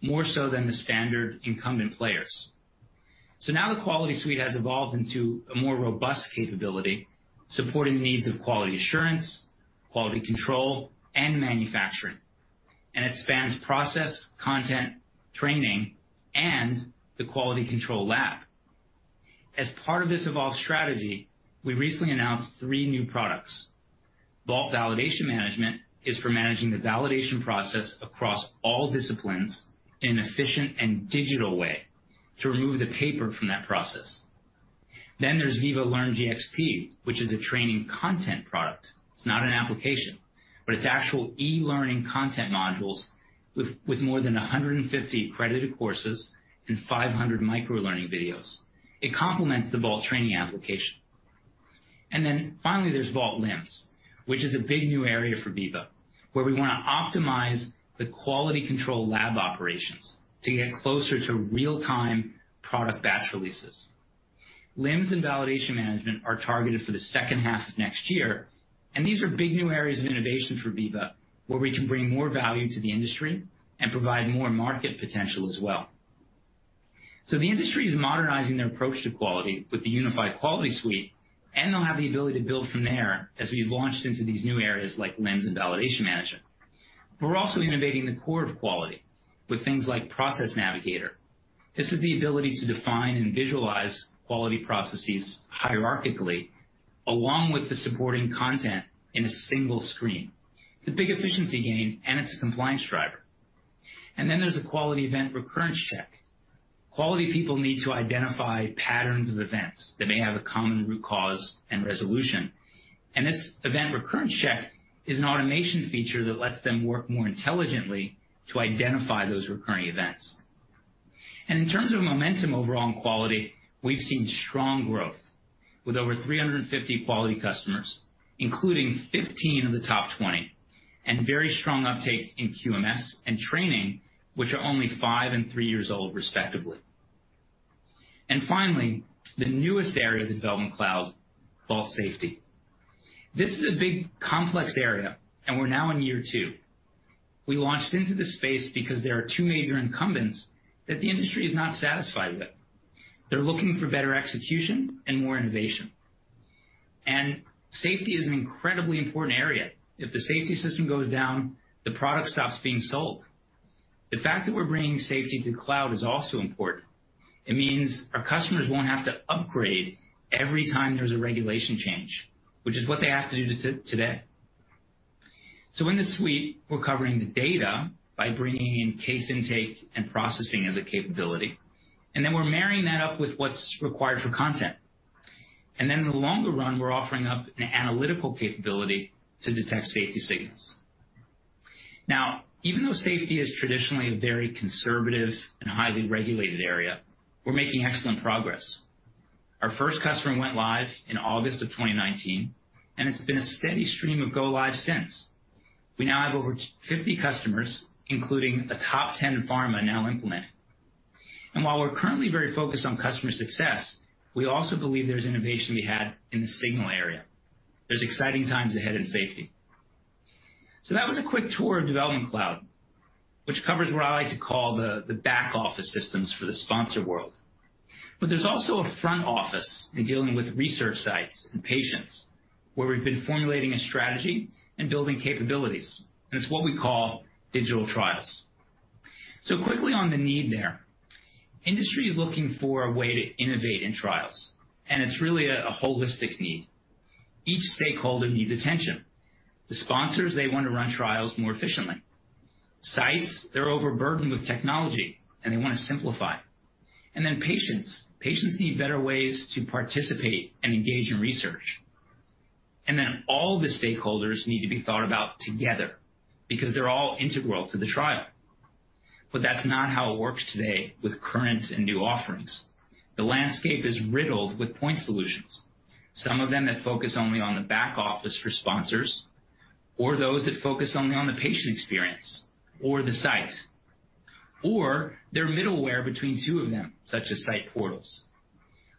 more so than the standard incumbent players. Now the Quality Suite has evolved into a more robust capability, supporting the needs of quality assurance, quality control, and manufacturing. It spans process, content, training, and the quality control lab. As part of this evolved strategy, we recently announced three new products. Vault Validation Management is for managing the validation process across all disciplines in an efficient and digital way to remove the paper from that process. There's Veeva LearnGxP, which is a training content product. It's not an application, but it's actual e-learning content modules with more than 150 accredited courses and 500 micro-learning videos. It complements the Vault Training application. Finally, there's Vault LIMS, which is a big new area for Veeva, where we wanna optimize the quality control lab operations to get closer to real-time product batch releases. LIMS and validation management are targeted for the H2 of next year, and these are big new areas of innovation for Veeva, where we can bring more value to the industry and provide more market potential as well. The industry is modernizing their approach to quality with the unified Quality Suite, and they'll have the ability to build from there as we've launched into these new areas like LIMS and Validation Management. We're also innovating the core of quality with things like Process Navigator. This is the ability to define and visualize quality processes hierarchically, along with the supporting content in a single screen. It's a big efficiency gain, and it's a compliance driver. Then there's a quality event recurrence check. Quality people need to identify patterns of events that may have a common root cause and resolution. This event recurrence check is an automation feature that lets them work more intelligently to identify those recurring events. In terms of momentum overall in quality, we've seen strong growth with over 350 quality customers, including 15 of the top 20, and very strong uptake in QMS and training, which are only five and three years old, respectively. Finally, the newest area of the Development Cloud, Vault Safety. This is a big, complex area, and we're now in year two. We launched into this space because there are two major incumbents that the industry is not satisfied with. They're looking for better execution and more innovation. Safety is an incredibly important area. If the safety system goes down, the product stops being sold. The fact that we're bringing safety to the cloud is also important. It means our customers won't have to upgrade every time there's a regulation change, which is what they have to do today. In this suite, we're covering the data by bringing in case intake and processing as a capability. We're marrying that up with what's required for content. In the longer run, we're offering up an analytical capability to detect safety signals. Now, even though safety is traditionally a very conservative and highly regulated area, we're making excellent progress. Our first customer went live in August of 2019, and it's been a steady stream of go live since. We now have over 150 customers, including a top ten pharma now implemented. While we're currently very focused on customer success, we also believe there's innovation to be had in the signal area. There's exciting times ahead in safety. That was a quick tour of Development Cloud, which covers what I like to call the back office systems for the sponsor world. There's also a front office in dealing with research sites and patients, where we've been formulating a strategy and building capabilities, and it's what we call digital trials. Quickly on the need there. Industry is looking for a way to innovate in trials, and it's really a holistic need. Each stakeholder needs attention. The sponsors, they want to run trials more efficiently. Sites, they're overburdened with technology, and they wanna simplify. Patients need better ways to participate and engage in research. All the stakeholders need to be thought about together because they're all integral to the trial. That's not how it works today with current and new offerings. The landscape is riddled with point solutions. Some of them that focus only on the back office for sponsors or those that focus only on the patient experience or the site or their middleware between two of them, such as site portals.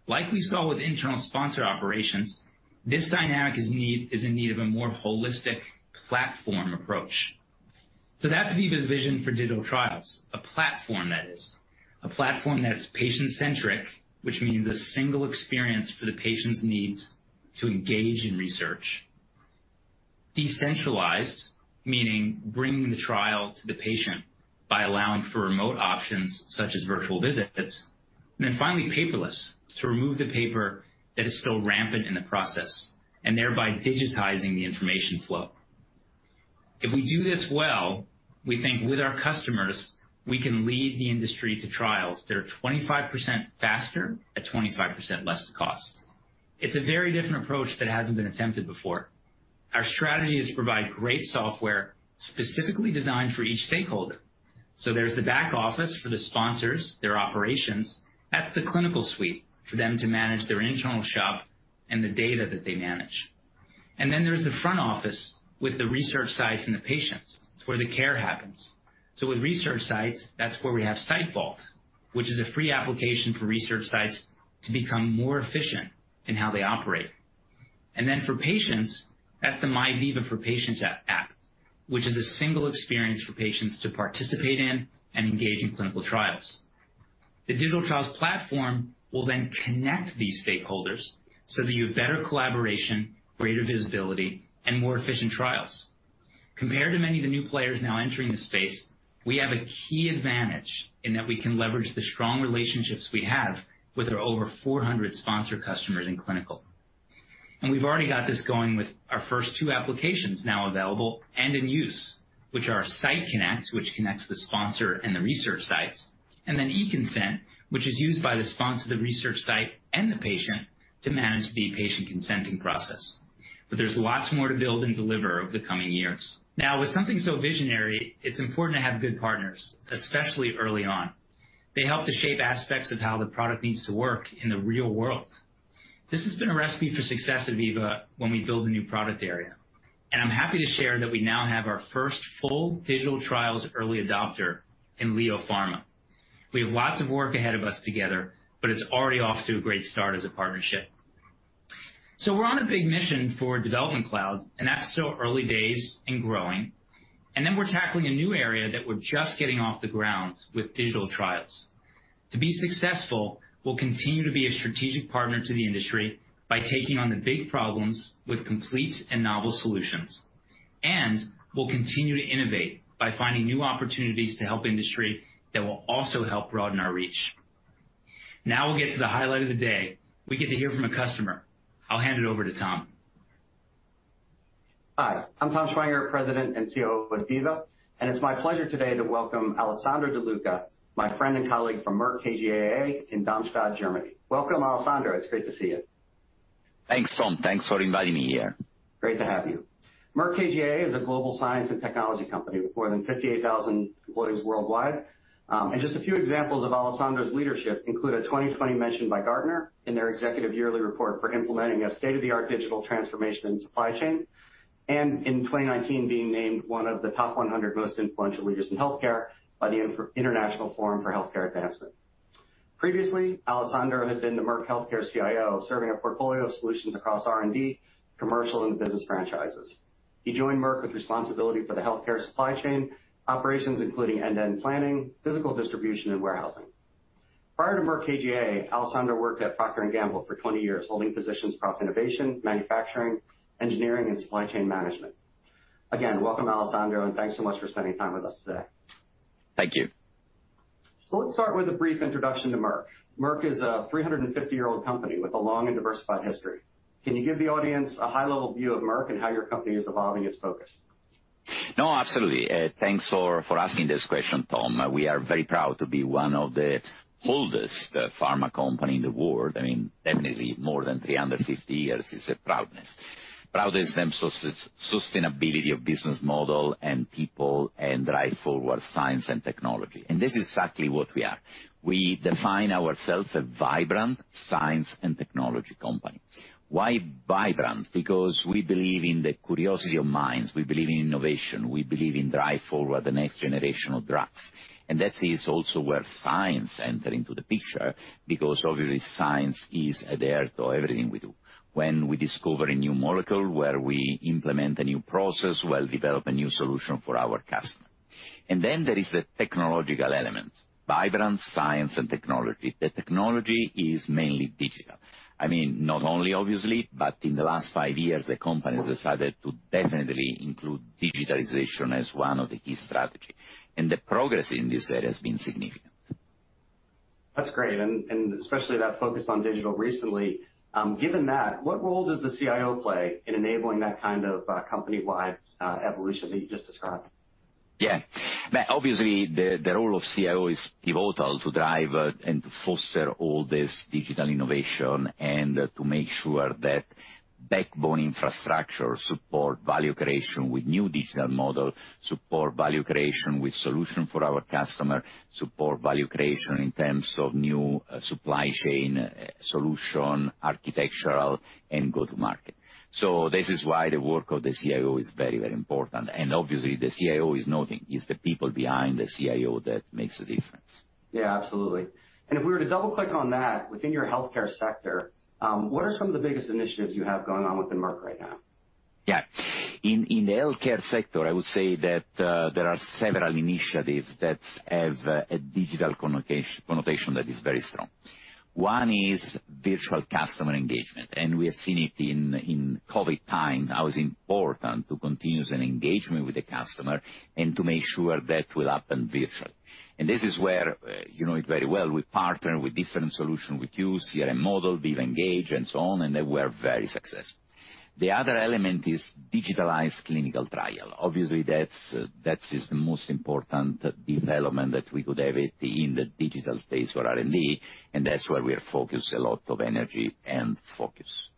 Like we saw with internal sponsor operations, this dynamic is in need of a more holistic platform approach. That's Veeva's vision for digital trials, a platform that's patient-centric, which means a single experience for the patient's needs to engage in research. Decentralized, meaning bringing the trial to the patient by allowing for remote options such as virtual visits. Then finally paperless, to remove the paper that is still rampant in the process and thereby digitizing the information flow. If we do this well, we think with our customers, we can lead the industry to trials that are 25% faster at 25% less cost. It's a very different approach that hasn't been attempted before. Our strategy is to provide great software specifically designed for each stakeholder. There's the back office for the sponsors, their operations. That's the clinical suite for them to manage their internal shop and the data that they manage. There's the front office with the research sites and the patients. It's where the care happens. With research sites, that's where we have SiteVault, which is a free application for research sites to become more efficient in how they operate. For patients, that's the MyVeeva for Patients app, which is a single experience for patients to participate in and engage in clinical trials. The Digital Trials Platform will then connect these stakeholders so that you have better collaboration, greater visibility, and more efficient trials. Compared to many of the new players now entering the space, we have a key advantage in that we can leverage the strong relationships we have with our over 400 sponsor customers in clinical. We've already got this going with our first two applications now available and in use, which are Site Connect, which connects the sponsor and the research sites, and then eConsent, which is used by the sponsor, the research site, and the patient to manage the patient consenting process. There's lots more to build and deliver over the coming years. Now, with something so visionary, it's important to have good partners, especially early on. They help to shape aspects of how the product needs to work in the real world. This has been a recipe for success at Veeva when we build a new product area, and I'm happy to share that we now have our first full digital trials early adopter in LEO Pharma. We have lots of work ahead of us together, but it's already off to a great start as a partnership. We're on a big mission for Development Cloud, and that's still early days and growing. We're tackling a new area that we're just getting off the ground with digital trials. To be successful, we'll continue to be a strategic partner to the industry by taking on the big problems with complete and novel solutions. We'll continue to innovate by finding new opportunities to help industry that will also help broaden our reach. Now we'll get to the highlight of the day. We get to hear from a customer. I'll hand it over to Tom. Hi, I'm Tom Schwenger, President and CEO of Veeva, and it's my pleasure today to welcome Alessandro De Luca, my friend and colleague from Merck KGaA in Darmstadt, Germany. Welcome, Alessandro. It's great to see you. Thanks, Tom. Thanks for inviting me here. Great to have you. Merck KGaA is a global science and technology company with more than 58,000 employees worldwide. Just a few examples of Alessandro's leadership include a 2020 mention by Gartner in their executive yearly report for implementing a state-of-the-art digital transformation in supply chain and in 2019 being named one of the top 100 most influential leaders in healthcare by the International Forum on Advancements in Healthcare. Previously, Alessandro had been the Merck Healthcare CIO, serving a portfolio of solutions across R&D, commercial, and the business franchises. He joined Merck with responsibility for the healthcare supply chain operations, including end-to-end planning, physical distribution, and warehousing. Prior to Merck KGaA, Alessandro worked at Procter & Gamble for 20 years, holding positions across innovation, manufacturing, engineering, and supply chain management. Again, welcome, Alessandro, and thanks so much for spending time with us today. Thank you. Let's start with a brief introduction to Merck. Merck is a 350-year-old company with a long and diversified history. Can you give the audience a high-level view of Merck and how your company is evolving its focus? No, absolutely. Thanks for asking this question, Tom. We are very proud to be one of the oldest pharma company in the world. I mean, definitely more than 350 years is a point of pride. Broader theme: sustainability of business model and people and drive forward science and technology. This is exactly what we are. We define ourselves a vibrant science and technology company. Why vibrant? Because we believe in the curiosity of minds. We believe in innovation. We believe in drive forward the next generation of drugs. That is also where science enter into the picture, because obviously, science is at the heart of everything we do. When we discover a new molecule, when we implement a new process, when develop a new solution for our customer. Then there is the technological element, vibrant science and technology. The technology is mainly digital. I mean, not only obviously, but in the last five years, the company has decided to definitely include digitalization as one of the key strategy. The progress in this area has been significant. That's great, and especially that focus on digital recently. Given that, what role does the CIO play in enabling that kind of company-wide evolution that you just described? Yeah. Obviously the role of CIO is pivotal to drive and to foster all this digital innovation and to make sure that backbone infrastructure support value creation with new digital model, support value creation with solution for our customer, support value creation in terms of new supply chain solution, architectural and go to market. This is why the work of the CIO is very, very important. Obviously the CIO is nothing. It's the people behind the CIO that makes a difference. Yeah, absolutely. If we were to double-click on that within your healthcare sector, what are some of the biggest initiatives you have going on within Merck right now? Yeah. In the healthcare sector, I would say that there are several initiatives that have a digital connotation that is very strong. One is virtual customer engagement, and we have seen it in COVID time, how it's important to continue an engagement with the customer and to make sure that will happen virtually. This is where, you know it very well, we partner with different solution with you, CRM model, Veeva Engage and so on, and they were very successful. The other element is digitalized clinical trial. Obviously, that is the most important development that we could have it in the digital space for R&D, and that's where we are focused a lot of energy and focus.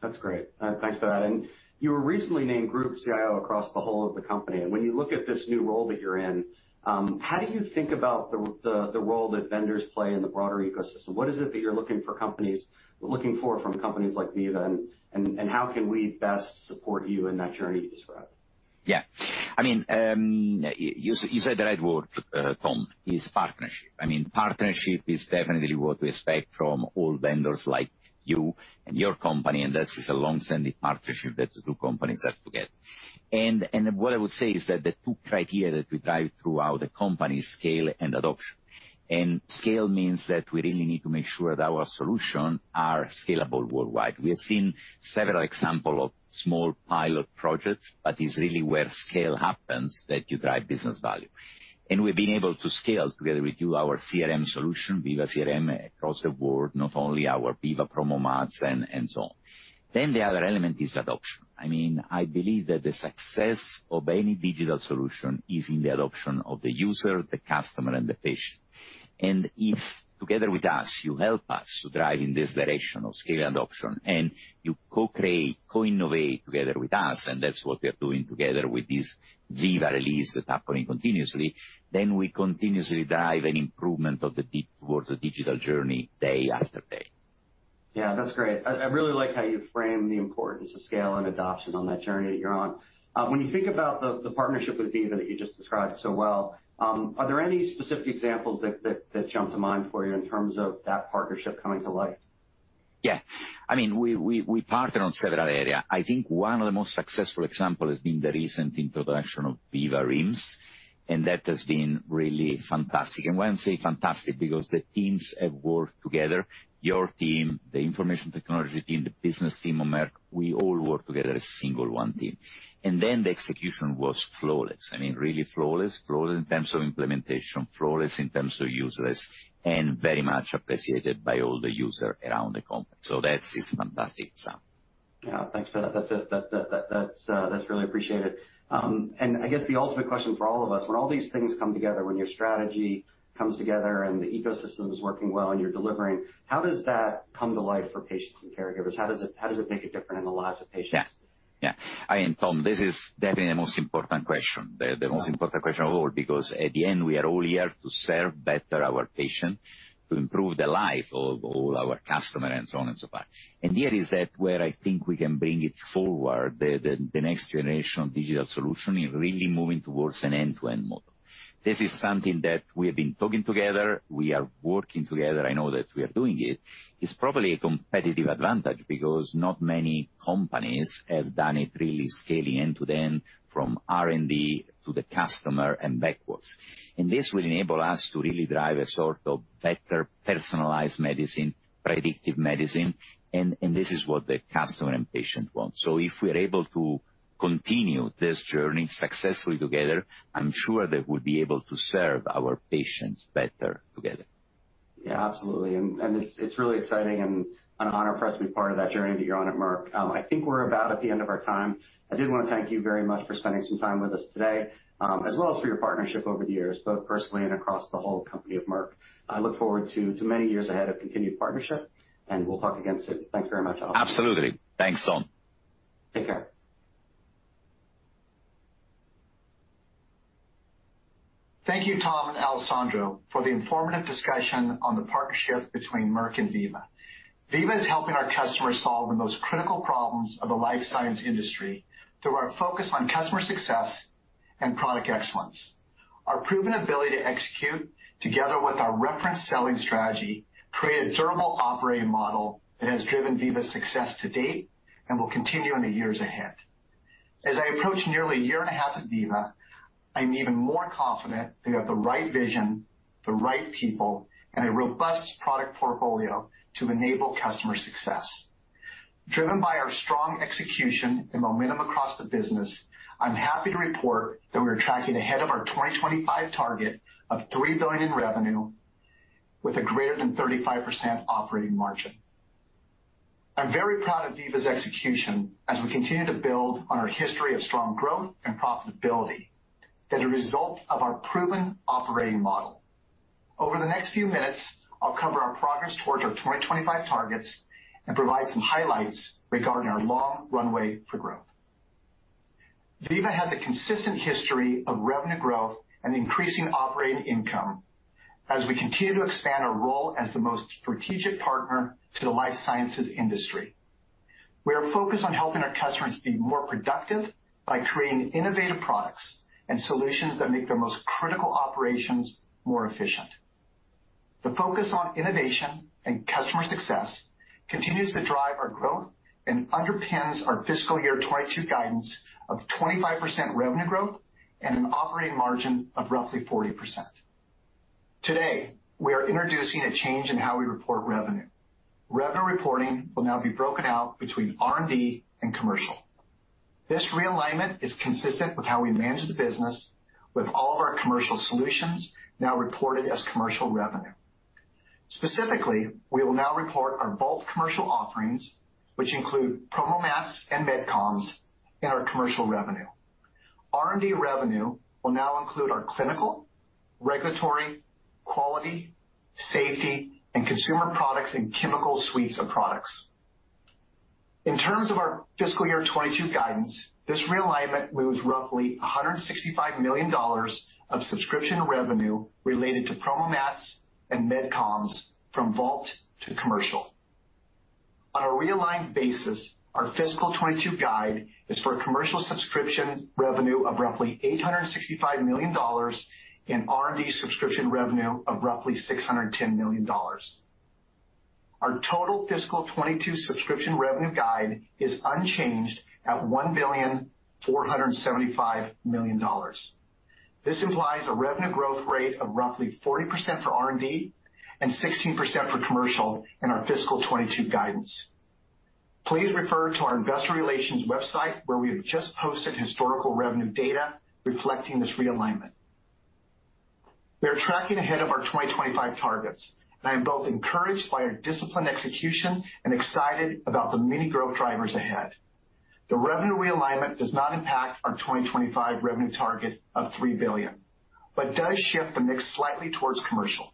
That's great. Thanks for that. You were recently named Group CIO across the whole of the company. When you look at this new role that you're in, how do you think about the role that vendors play in the broader ecosystem? What is it that you're looking for from companies like Veeva and how can we best support you in that journey you described? Yeah. I mean, you said the right word, Tom, is partnership. I mean, partnership is definitely what we expect from all vendors like you and your company, and this is a long-standing partnership that the two companies have together. What I would say is that the two criteria that we drive throughout the company is scale and adoption. Scale means that we really need to make sure that our solution are scalable worldwide. We have seen several example of small pilot projects, but it's really where scale happens that you drive business value. We've been able to scale together with you, our CRM solution, Veeva CRM, across the board, not only our Veeva PromoMats and so on. The other element is adoption. I mean, I believe that the success of any digital solution is in the adoption of the user, the customer and the patient. If together with us, you help us to drive in this direction of scale and adoption, and you co-create, co-innovate together with us, and that's what we're doing together with these Veeva releases that are coming continuously, then we continuously drive an improvement of the digital towards the digital journey day after day. Yeah, that's great. I really like how you frame the importance of scale and adoption on that journey that you're on. When you think about the partnership with Veeva that you just described so well, are there any specific examples that jump to mind for you in terms of that partnership coming to life? Yeah. I mean, we partner on several areas. I think one of the most successful example has been the recent introduction of Veeva RIM, and that has been really fantastic. When I say fantastic because the teams have worked together, your team, the information technology team, the business team of Merck, we all work together as single one team. Then the execution was flawless. I mean, really flawless. Flawless in terms of implementation, flawless in terms of users, and very much appreciated by all the users around the company. That is fantastic example. Yeah. Thanks for that. That's really appreciated. I guess the ultimate question for all of us, when all these things come together, when your strategy comes together and the ecosystem is working well and you're delivering, how does that come to life for patients and caregivers? How does it make a difference in the lives of patients? Yeah. Yeah. I mean, Tom, this is definitely the most important question of all, because at the end, we are all here to serve better our patient, to improve the life of all our customer and so on and so forth. Here is that where I think we can bring it forward, the next generation of digital solution is really moving towards an end-to-end model. This is something that we have been talking together, we are working together. I know that we are doing it. It's probably a competitive advantage because not many companies have done it really scaling end-to-end from R&D to the customer and backwards. This will enable us to really drive a sort of better personalized medicine, predictive medicine, and this is what the customer and patient want. If we're able to continue this journey successfully together, I'm sure that we'll be able to serve our patients better together. Yeah, absolutely. It's really exciting and an honor for us to be part of that journey that you're on at Merck. I think we're about at the end of our time. I did wanna thank you very much for spending some time with us today, as well as for your partnership over the years, both personally and across the whole company of Merck. I look forward to many years ahead of continued partnership, and we'll talk again soon. Thanks very much. Absolutely. Thanks, Tom. Take care. Thank you, Tom and Alessandro, for the informative discussion on the partnership between Merck and Veeva. Veeva is helping our customers solve the most critical problems of the life sciences industry through our focus on customer success and product excellence. Our proven ability to execute together with our reference selling strategy creates a durable operating model that has driven Veeva's success to date and will continue in the years ahead. As I approach nearly a year and a half at Veeva, I'm even more confident we have the right vision, the right people, and a robust product portfolio to enable customer success. Driven by our strong execution and momentum across the business, I'm happy to report that we are tracking ahead of our 2025 target of $3 billion in revenue with a greater than 35% operating margin. I'm very proud of Veeva's execution as we continue to build on our history of strong growth and profitability as a result of our proven operating model. Over the next few minutes, I'll cover our progress towards our 2025 targets and provide some highlights regarding our long runway for growth. Veeva has a consistent history of revenue growth and increasing operating income as we continue to expand our role as the most strategic partner to the life sciences industry. We are focused on helping our customers be more productive by creating innovative products and solutions that make their most critical operations more efficient. The focus on innovation and customer success continues to drive our growth and underpins our fiscal year 2022 guidance of 25% revenue growth and an operating margin of roughly 40%. Today, we are introducing a change in how we report revenue. Revenue reporting will now be broken out between R&D and commercial. This realignment is consistent with how we manage the business with all of our commercial solutions now reported as commercial revenue. Specifically, we will now report our Vault Commercial offerings, which include PromoMats and MedComms in our commercial revenue. R&D revenue will now include our clinical, regulatory, quality, safety, and consumer products and chemical suites of products. In terms of our fiscal year 2022 guidance, this realignment moves roughly $165 million of subscription revenue related to PromoMats and MedComms from Vault to Commercial. On a realigned basis, our fiscal year 2022 guide is for a commercial subscription revenue of roughly $865 million and R&D subscription revenue of roughly $610 million. Our total fiscal year 2022 subscription revenue guide is unchanged at $1,475 million. This implies a revenue growth rate of roughly 40% for R&D and 16% for commercial in our fiscal 2022 guidance. Please refer to our investor relations website, where we have just posted historical revenue data reflecting this realignment. We are tracking ahead of our 2025 targets, and I am both encouraged by our disciplined execution and excited about the many growth drivers ahead. The revenue realignment does not impact our 2025 revenue target of $3 billion, but does shift the mix slightly towards commercial.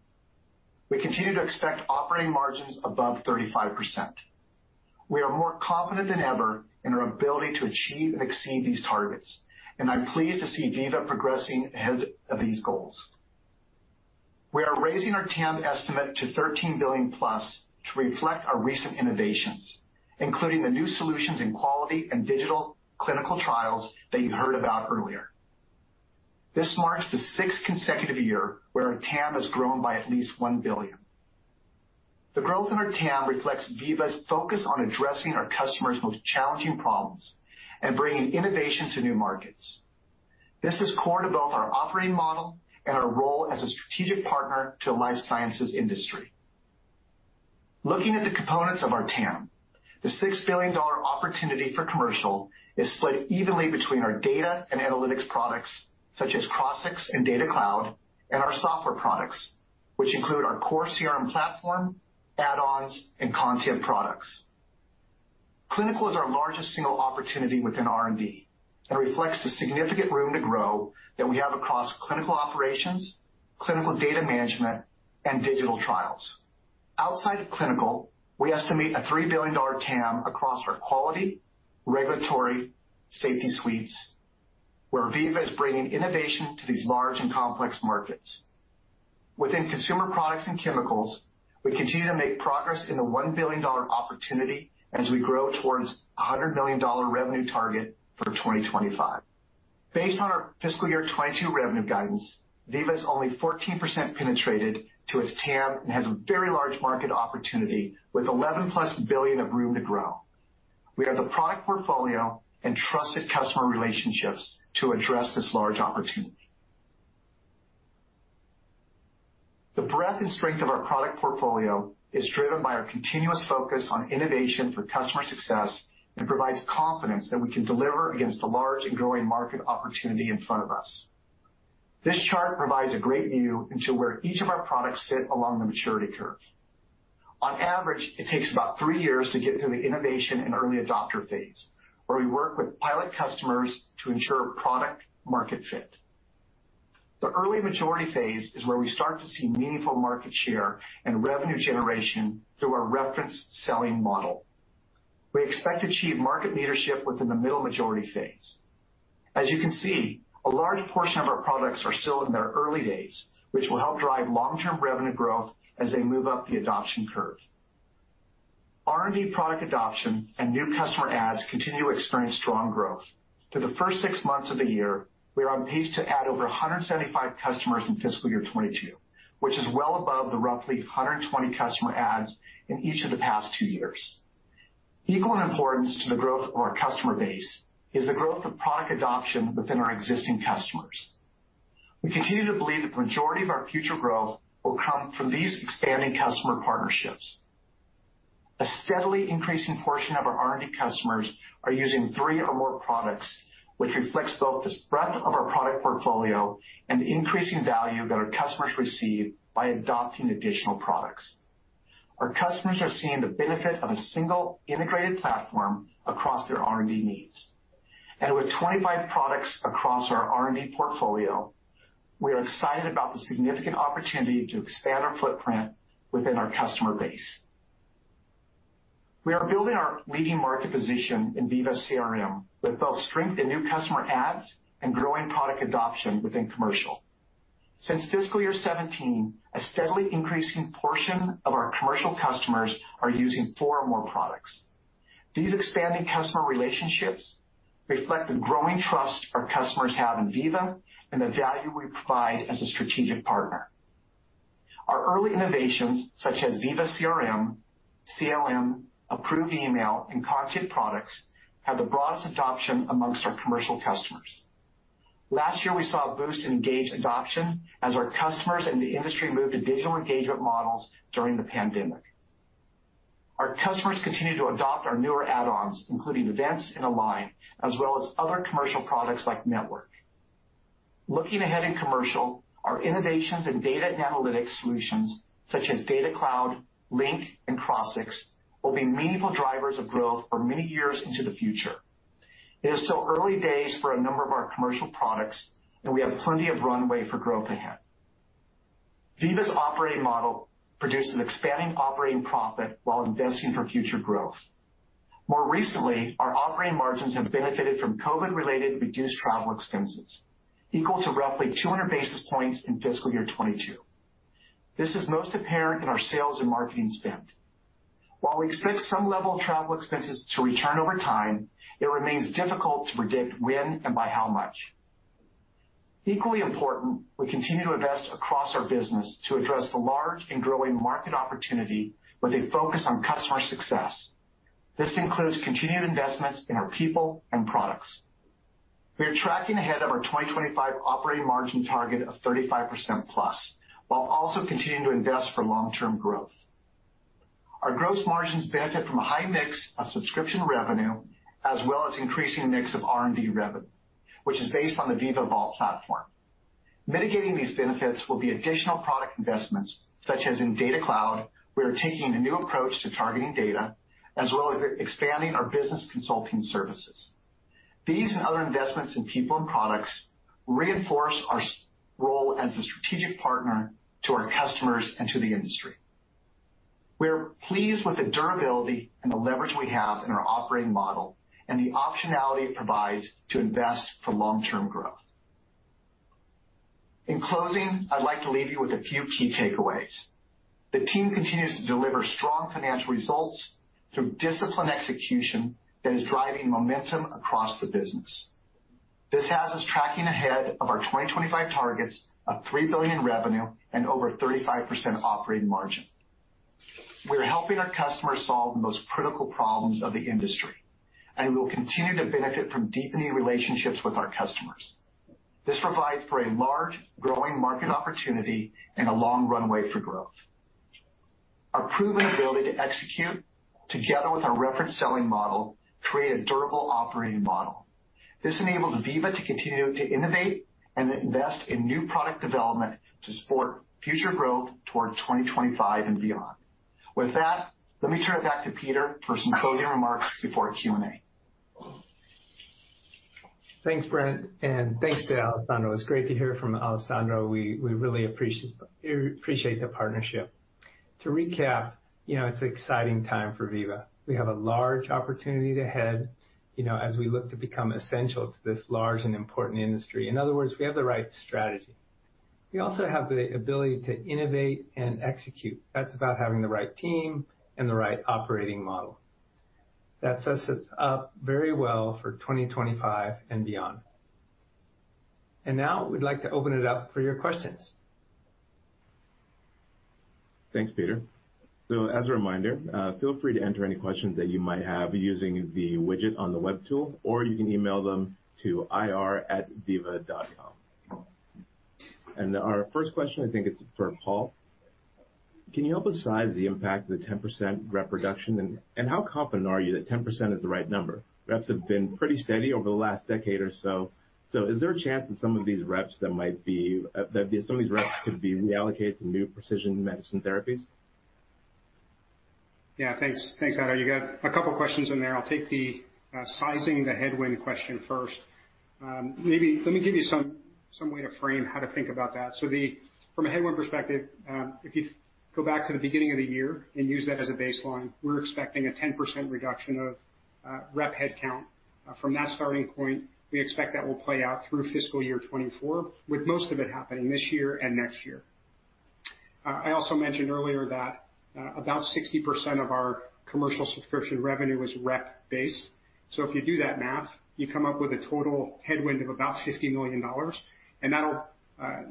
We continue to expect operating margins above 35%. We are more confident than ever in our ability to achieve and exceed these targets, and I'm pleased to see Veeva progressing ahead of these goals. We are raising our TAM estimate to $13 billion+ to reflect our recent innovations, including the new solutions in quality and digital clinical trials that you heard about earlier. This marks the sixth consecutive year where our TAM has grown by at least $1 billion. The growth in our TAM reflects Veeva's focus on addressing our customers' most challenging problems and bringing innovation to new markets. This is core to both our operating model and our role as a strategic partner to the life sciences industry. Looking at the components of our TAM, the $6 billion opportunity for commercial is split evenly between our data and analytics products, such as Crossix and Data Cloud, and our software products, which include our core CRM platform, add-ons, and content products. Clinical is our largest single opportunity within R&D and reflects the significant room to grow that we have across clinical operations, clinical data management, and digital trials. Outside of clinical, we estimate a $3 billion TAM across our quality, regulatory, safety suites, where Veeva is bringing innovation to these large and complex markets. Within consumer products and chemicals, we continue to make progress in the $1 billion opportunity as we grow towards a $100 million revenue target for 2025. Based on our FY 2022 revenue guidance, Veeva is only 14% penetrated to its TAM and has a very large market opportunity with $11 billion+ of room to grow. We have the product portfolio and trusted customer relationships to address this large opportunity. The breadth and strength of our product portfolio is driven by our continuous focus on innovation for customer success and provides confidence that we can deliver against the large and growing market opportunity in front of us. This chart provides a great view into where each of our products sit along the maturity curve. On average, it takes about three years to get to the innovation and early adopter phase, where we work with pilot customers to ensure product-market fit. The early majority phase is where we start to see meaningful market share and revenue generation through our reference selling model. We expect to achieve market leadership within the middle majority phase. As you can see, a large portion of our products are still in their early days, which will help drive long-term revenue growth as they move up the adoption curve. R&D product adoption and new customer adds continue to experience strong growth. Through the first six months of the year, we are on pace to add over 175 customers in fiscal year 2022, which is well above the roughly 120 customer adds in each of the past two years. Equal in importance to the growth of our customer base is the growth of product adoption within our existing customers. We continue to believe the majority of our future growth will come from these expanding customer partnerships. A steadily increasing portion of our R&D customers are using three or more products, which reflects both this breadth of our product portfolio and the increasing value that our customers receive by adopting additional products. Our customers are seeing the benefit of a single integrated platform across their R&D needs. With 25 products across our R&D portfolio, we are excited about the significant opportunity to expand our footprint within our customer base. We are building our leading market position in Veeva CRM with both strength in new customer adds and growing product adoption within commercial. Since fiscal year 2017, a steadily increasing portion of our commercial customers are using four or more products. These expanding customer relationships reflect the growing trust our customers have in Veeva and the value we provide as a strategic partner. Our early innovations, such as Veeva CRM, CLM, Approved Email, and Consent products, have the broadest adoption amongst our commercial customers. Last year, we saw a boost in Engage adoption as our customers and the industry moved to digital engagement models during the pandemic. Our customers continue to adopt our newer add-ons, including Events and Align, as well as other commercial products like Network. Looking ahead in commercial, our innovations in data and analytics solutions such as Data Cloud, Link, and Crossix will be meaningful drivers of growth for many years into the future. It is still early days for a number of our commercial products, and we have plenty of runway for growth ahead. Veeva's operating model produces expanding operating profit while investing for future growth. More recently, our operating margins have benefited from COVID-related reduced travel expenses, equal to roughly 200 basis points in fiscal year 2022. This is most apparent in our sales and marketing spend. While we expect some level of travel expenses to return over time, it remains difficult to predict when and by how much. Equally important, we continue to invest across our business to address the large and growing market opportunity with a focus on customer success. This includes continued investments in our people and products. We are tracking ahead of our 2025 operating margin target of 35%+, while also continuing to invest for long-term growth. Our gross margins benefit from a high mix of subscription revenue as well as increasing mix of R&D revenue, which is based on the Veeva Vault platform. Mitigating these benefits will be additional product investments, such as in Data Cloud, we are taking a new approach to targeting data, as well as expanding our business consulting services. These and other investments in people and products reinforce our role as a strategic partner to our customers and to the industry. We are pleased with the durability and the leverage we have in our operating model and the optionality it provides to invest for long-term growth. In closing, I'd like to leave you with a few key takeaways. The team continues to deliver strong financial results through disciplined execution that is driving momentum across the business. This has us tracking ahead of our 2025 targets of $3 billion revenue and over 35% operating margin. We're helping our customers solve the most critical problems of the industry, and we will continue to benefit from deepening relationships with our customers. This provides for a large growing market opportunity and a long runway for growth. Our proven ability to execute together with our reference selling model create a durable operating model. This enables Veeva to continue to innovate and invest in new product development to support future growth toward 2025 and beyond. With that, let me turn it back to Peter for some closing remarks before Q&A. Thanks, Brent, and thanks to Alessandro. It's great to hear from Alessandro. We really appreciate the partnership. To recap, you know, it's an exciting time for Veeva. We have a large opportunity ahead, you know, as we look to become essential to this large and important industry. In other words, we have the right strategy. We also have the ability to innovate and execute. That's about having the right team and the right operating model. That sets us up very well for 2025 and beyond. Now we'd like to open it up for your questions. Thanks, Peter. As a reminder, feel free to enter any questions that you might have using the widget on the web tool, or you can email them to ir@veeva.com. Our first question, I think it's for Paul. Can you help us size the impact of the 10% rep reduction? How confident are you that 10% is the right number? Reps have been pretty steady over the last decade or so. Is there a chance that some of these reps could be reallocated to new precision medicine therapies? Yeah, thanks. Thanks, Ato. You got a couple questions in there. I'll take the sizing the headwind question first. Maybe let me give you some way to frame how to think about that. From a headwind perspective, if you go back to the beginning of the year and use that as a baseline, we're expecting a 10% reduction of rep headcount. From that starting point, we expect that will play out through FY 2024, with most of it happening this year and next year. I also mentioned earlier that about 60% of our commercial subscription revenue is rep-based. If you do that math, you come up with a total headwind of about $50 million, and that'll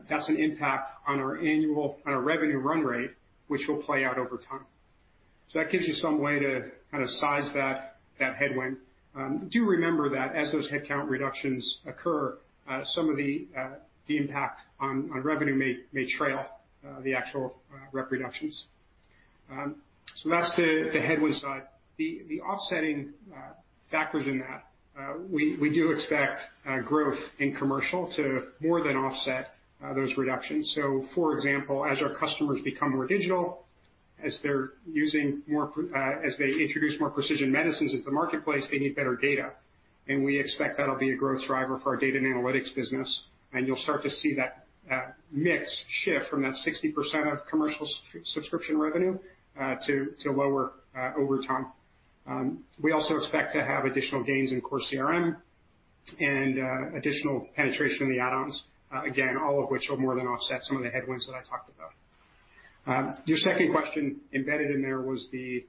that's an impact on our annual on our revenue run rate, which will play out over time. That gives you some way to kind of size that headwind. Do remember that as those headcount reductions occur, some of the impact on revenue may trail the actual rep reductions. That's the headwind side. The offsetting factors in that we do expect growth in commercial to more than offset those reductions. For example, as our customers become more digital, as they introduce more precision medicines into the marketplace, they need better data. We expect that'll be a growth driver for our data and analytics business. You'll start to see that mix shift from that 60% of commercial subscription revenue to lower over time. We also expect to have additional gains in core CRM and additional penetration in the add-ons, again, all of which will more than offset some of the headwinds that I talked about. Your second question embedded in there was the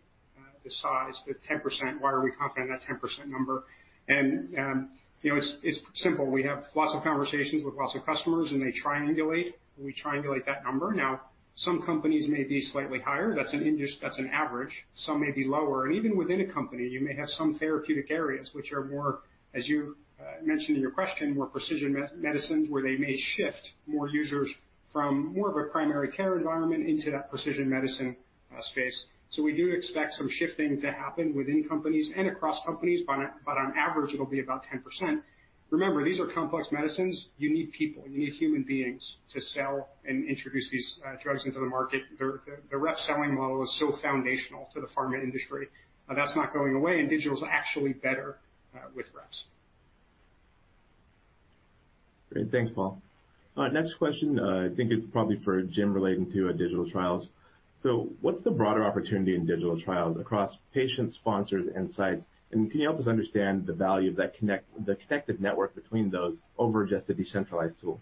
size, the 10%. Why are we confident in that 10% number? You know, it's simple. We have lots of conversations with lots of customers, and they triangulate, we triangulate that number. Now, some companies may be slightly higher. That's an average. Some may be lower. Even within a company, you may have some therapeutic areas which are more, as you mentioned in your question, more precision medicines, where they may shift more users from more of a primary care environment into that precision medicine space. We do expect some shifting to happen within companies and across companies, but on average, it'll be about 10%. Remember, these are complex medicines. You need people, you need human beings to sell and introduce these drugs into the market. The rep selling model is so foundational to the pharma industry, and that's not going away, and digital is actually better with reps. Great. Thanks, Paul. Next question, I think it's probably for Jim relating to digital trials. What's the broader opportunity in digital trials across patients, sponsors, and sites? Can you help us understand the value of that connected network between those over just a decentralized tool?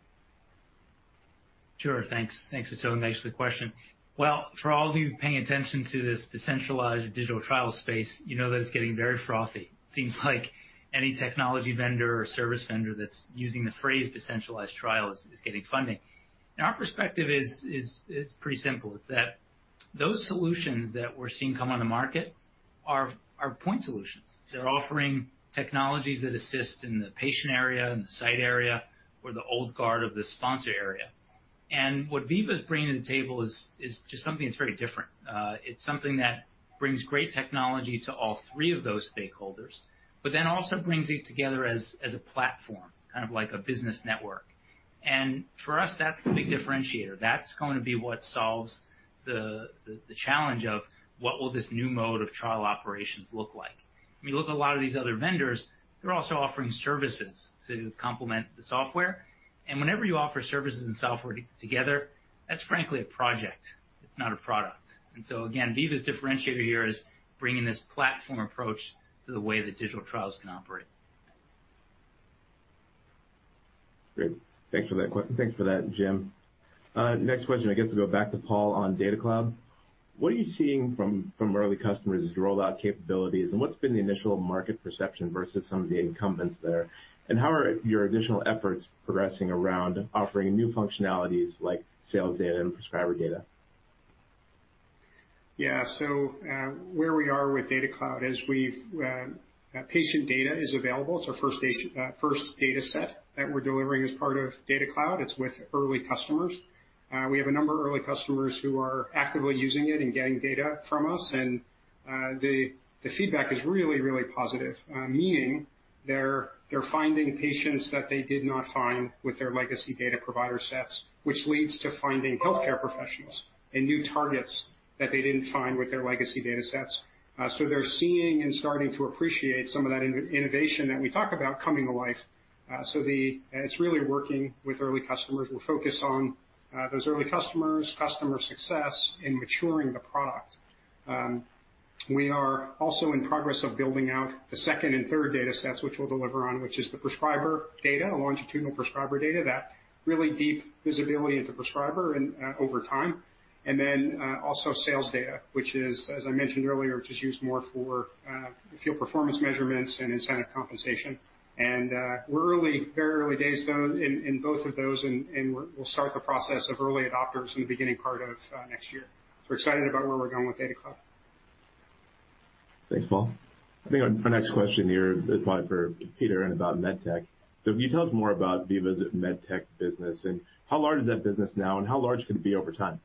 Sure. Thanks. Thanks, Atul, thanks for the question. Well, for all of you paying attention to this decentralized digital trial space, you know that it's getting very frothy. Seems like any technology vendor or service vendor that's using the phrase decentralized trial is getting funding. Our perspective is pretty simple. It's that those solutions that we're seeing come on the market are point solutions. They're offering technologies that assist in the patient area, in the site area, or the old guard of the sponsor area. What Veeva is bringing to the table is just something that's very different. It's something that brings great technology to all three of those stakeholders, but then also brings it together as a platform, kind of like a business network. For us, that's the big differentiator. That's going to be what solves the challenge of what will this new mode of trial operations look like. When you look at a lot of these other vendors, they're also offering services to complement the software. Whenever you offer services and software together, that's frankly a project. It's not a product. Again, Veeva's differentiator here is bringing this platform approach to the way that digital trials can operate. Great. Thanks for that, Jim. Next question, I guess we go back to Paul on Data Cloud. What are you seeing from early customers as you roll out capabilities, and what's been the initial market perception versus some of the incumbents there? How are your additional efforts progressing around offering new functionalities like sales data and prescriber data? Where we are with Data Cloud is we've patient data is available. It's our first data set that we're delivering as part of Data Cloud. It's with early customers. We have a number of early customers who are actively using it and getting data from us. The feedback is really positive, meaning they're finding patients that they did not find with their legacy data provider sets, which leads to finding healthcare professionals and new targets that they didn't find with their legacy data sets. They're seeing and starting to appreciate some of that innovation that we talk about coming to life. It's really working with early customers. We're focused on those early customers, customer success in maturing the product. We are also in progress of building out the second and third data sets, which we'll deliver on, which is the prescriber data, longitudinal prescriber data, that really deep visibility into prescriber and over time. Also sales data, which is, as I mentioned earlier, just used more for field performance measurements and incentive compensation. We're early, very early days though, in both of those and we'll start the process of early adopters in the beginning part of next year. We're excited about where we're going with Data Cloud. Thanks, Paul. I think our next question here is probably for Peter and about Medtech. Can you tell us more about Veeva's Medtech business, and how large is that business now, and how large could it be over time?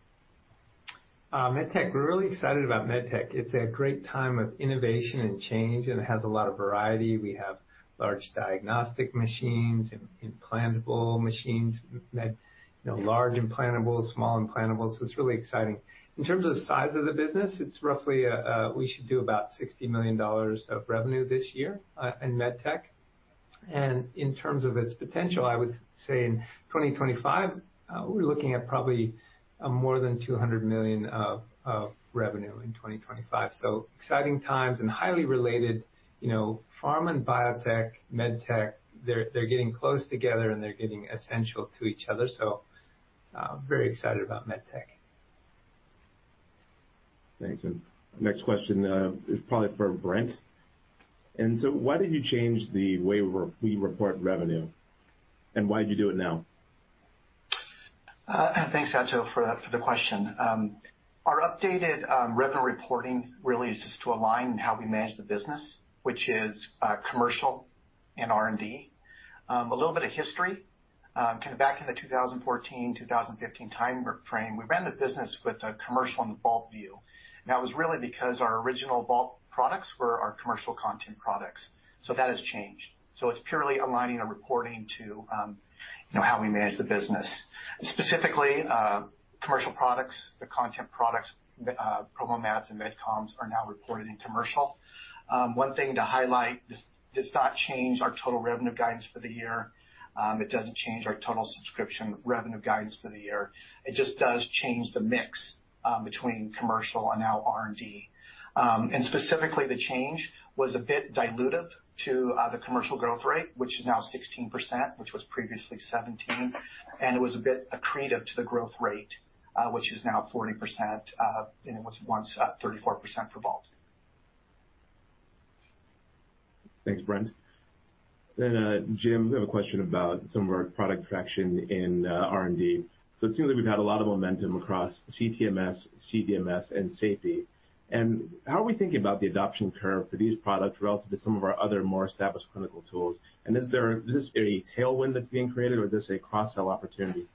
Medtech, we're really excited about Medtech. It's a great time of innovation and change, and it has a lot of variety. We have large diagnostic machines, implantable machines, you know, large implantables, small implantables. It's really exciting. In terms of the size of the business, it's roughly, we should do about $60 million of revenue this year, in Medtech. In terms of its potential, I would say in 2025, we're looking at probably, more than $200 million of revenue in 2025. Exciting times and highly related, you know, pharma and biotech, medtech, they're getting close together, and they're getting essential to each other. Very excited about medtech. Thanks. Next question is probably for Brent. Why did you change the way we report revenue, and why'd you do it now? Thanks, Ato, for the question. Our updated revenue reporting really is just to align how we manage the business, which is Commercial and R&D. A little bit of history. Back in the 2014, 2015 timeframe, we ran the business with a Commercial and Vault view, and that was really because our original Vault products were our Commercial content products. That has changed. It's purely aligning our reporting to, you know, how we manage the business. Specifically, Commercial products, the content products, PromoMats and MedComms are now reported in Commercial. One thing to highlight, this does not change our total revenue guidance for the year. It doesn't change our total subscription revenue guidance for the year. It just does change the mix between Commercial and now R&D. Specifically, the change was a bit dilutive to the commercial growth rate, which is now 16%, which was previously 17%, and it was a bit accretive to the growth rate, which is now 40%, and it was once at 34% for Vault. Thanks, Brent. Jim, we have a question about some of our product traction in R&D. It seems like we've had a lot of momentum across CTMS, CDMS and safety. How are we thinking about the adoption curve for these products relative to some of our other more established clinical tools? Is this a tailwind that's being created, or is this a cross-sell opportunity?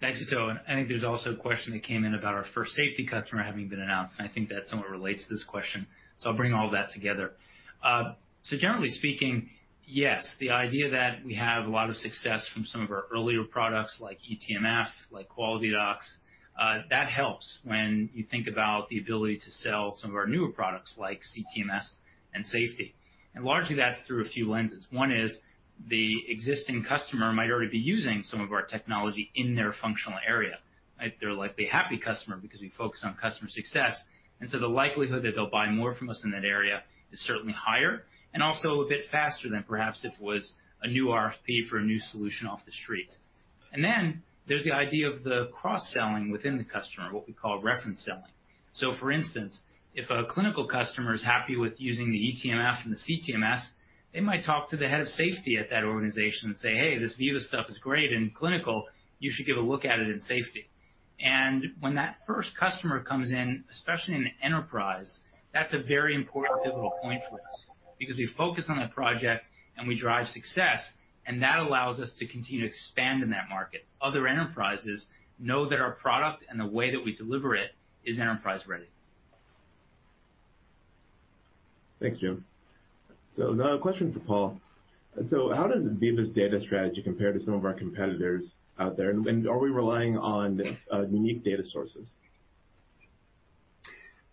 Thanks, Ato, and I think there's also a question that came in about our first safety customer having been announced, and I think that somewhat relates to this question, so I'll bring all that together. Generally speaking, yes, the idea that we have a lot of success from some of our earlier products like eTMF, like QualityDocs, that helps when you think about the ability to sell some of our newer products like CTMS and safety. Largely that's through a few lenses. One is the existing customer might already be using some of our technology in their functional area, right? They're likely a happy customer because we focus on customer success. The likelihood that they'll buy more from us in that area is certainly higher and also a bit faster than perhaps if it was a new RFP for a new solution off the street. There's the idea of the cross-selling within the customer, what we call reference selling. For instance, if a clinical customer is happy with using the eTMF and the CTMS, they might talk to the head of safety at that organization and say, "Hey, this Veeva stuff is great in clinical. You should give a look at it in safety." When that first customer comes in, especially in an enterprise, that's a very important pivotal point for us because we focus on that project, and we drive success, and that allows us to continue to expand in that market. Other enterprises know that our product and the way that we deliver it is enterprise ready. Thanks, Jim. Now a question for Paul. How does Veeva's data strategy compare to some of our competitors out there, and are we relying on unique data sources?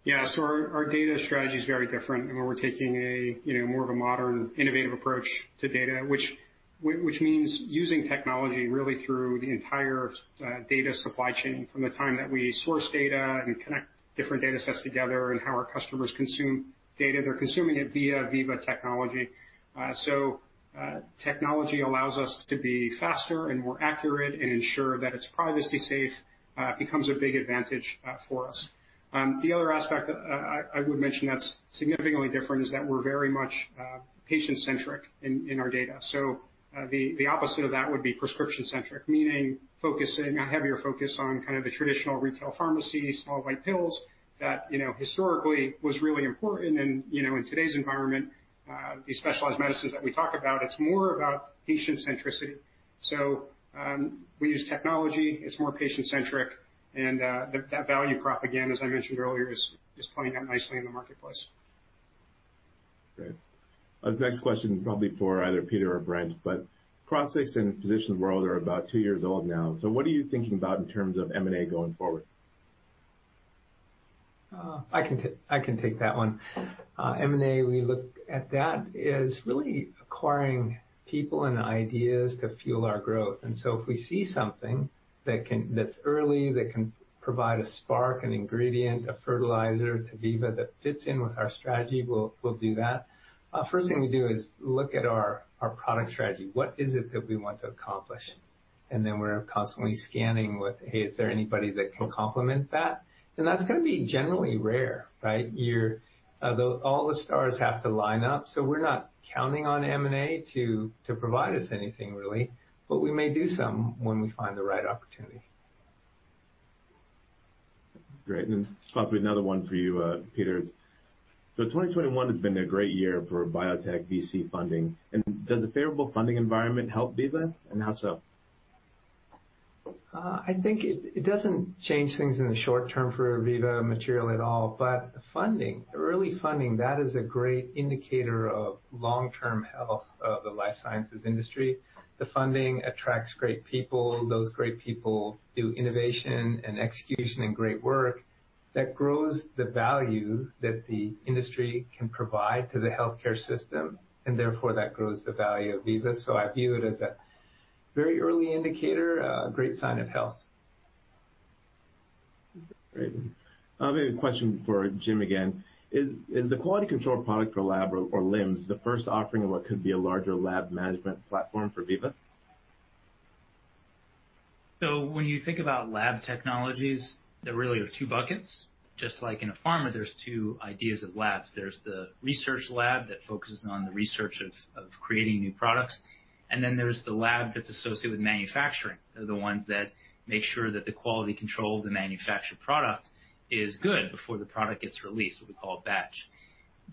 Yeah. Our data strategy is very different in where we're taking a, you know, more of a modern, innovative approach to data, which means using technology really through the entire data supply chain from the time that we source data and connect different data sets together and how our customers consume data. They're consuming it via Veeva technology. Technology allows us to be faster and more accurate and ensure that it's privacy safe, becomes a big advantage for us. The other aspect I would mention that's significantly different is that we're very much patient-centric in our data. The opposite of that would be prescription-centric, meaning focusing a heavier focus on kind of the traditional retail pharmacy, small white pills that, you know, historically was really important. You know, in today's environment, these specialized medicines that we talk about, it's more about patient centricity. We use technology, it's more patient-centric, and that value prop, again, as I mentioned earlier, is playing out nicely in the marketplace. Great. This next question is probably for either Peter or Brent, but Crossix and Physicians World are about two years old now. What are you thinking about in terms of M&A going forward? I can take that one. M&A, we look at that as really acquiring people and ideas to fuel our growth. If we see something that's early, that can provide a spark, an ingredient, a fertilizer to Veeva that fits in with our strategy, we'll do that. First thing we do is look at our product strategy. What is it that we want to accomplish? Then we're constantly scanning with, "Hey, is there anybody that can complement that?" That's gonna be generally rare, right? All the stars have to line up. We're not counting on M&A to provide us anything really, but we may do some when we find the right opportunity. Great. This might be another one for you, Peter. 2021 has been a great year for biotech VC funding. Does a favorable funding environment help Veeva, and how so? I think it doesn't change things in the short term for Veeva materially at all. Early funding that is a great indicator of long-term health of the life sciences industry. The funding attracts great people. Those great people do innovation and execution and great work. That grows the value that the industry can provide to the healthcare system, and therefore that grows the value of Veeva. I view it as a very early indicator, a great sign of health. Great. I have a question for Jim again. Is the quality control product for lab or LIMS the first offering of what could be a larger lab management platform for Veeva? When you think about lab technologies, there really are two buckets. Just like in a pharma, there are two ideas of labs. There is the research lab that focuses on the research of creating new products. Then there is the lab that is associated with manufacturing. They are the ones that make sure that the quality control of the manufactured product is good before the product gets released, what we call a batch.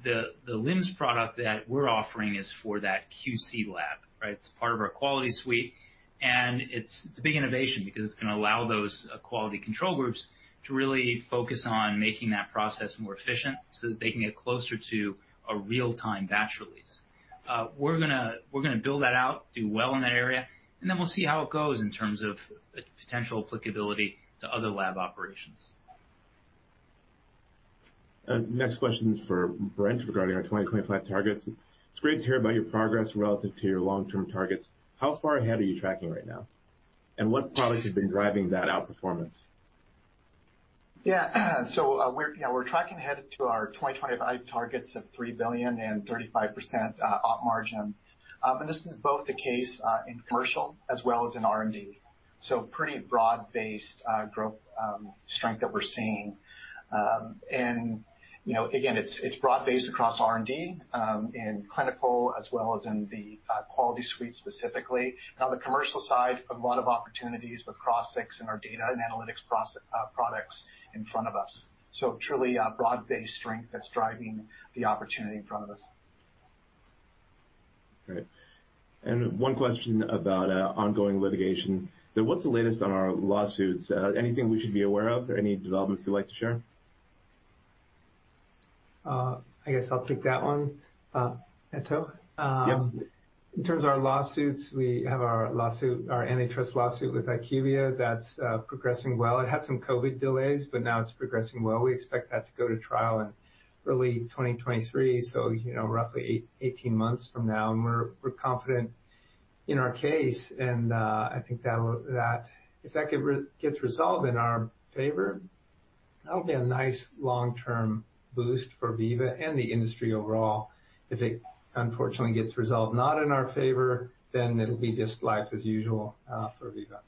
The LIMS product that we are offering is for that QC lab, right? It is part of our Quality Suite, and it is a big innovation because it is going to allow those quality control groups to really focus on making that process more efficient so that they can get closer to a real-time batch release. We're gonna build that out, do well in that area, and then we'll see how it goes in terms of potential applicability to other lab operations. Next question is for Brent regarding our 2025 targets. It's great to hear about your progress relative to your long-term targets. How far ahead are you tracking right now? What products have been driving that outperformance? We're tracking ahead to our 2025 targets of $3 billion and 35% op margin. This is both the case in commercial as well as in R&D. Pretty broad-based growth strength that we're seeing. You know, again, it's broad-based across R&D in clinical as well as in the Quality Suite specifically. On the commercial side, a lot of opportunities with Crossix and our data and analytics products in front of us. Truly a broad-based strength that's driving the opportunity in front of us. Great. One question about ongoing litigation. What's the latest on our lawsuits? Anything we should be aware of or any developments you'd like to share? I guess I'll take that one, Ato. Yep. In terms of our lawsuits, we have our lawsuit, our antitrust lawsuit with IQVIA that's progressing well. It had some COVID delays, but now it's progressing well. We expect that to go to trial in early 2023, so you know, roughly 18 months from now, and we're confident in our case and I think that if that gets resolved in our favor, that'll be a nice long-term boost for Veeva and the industry overall. If it unfortunately gets resolved not in our favor, then it'll be just life as usual for Veeva.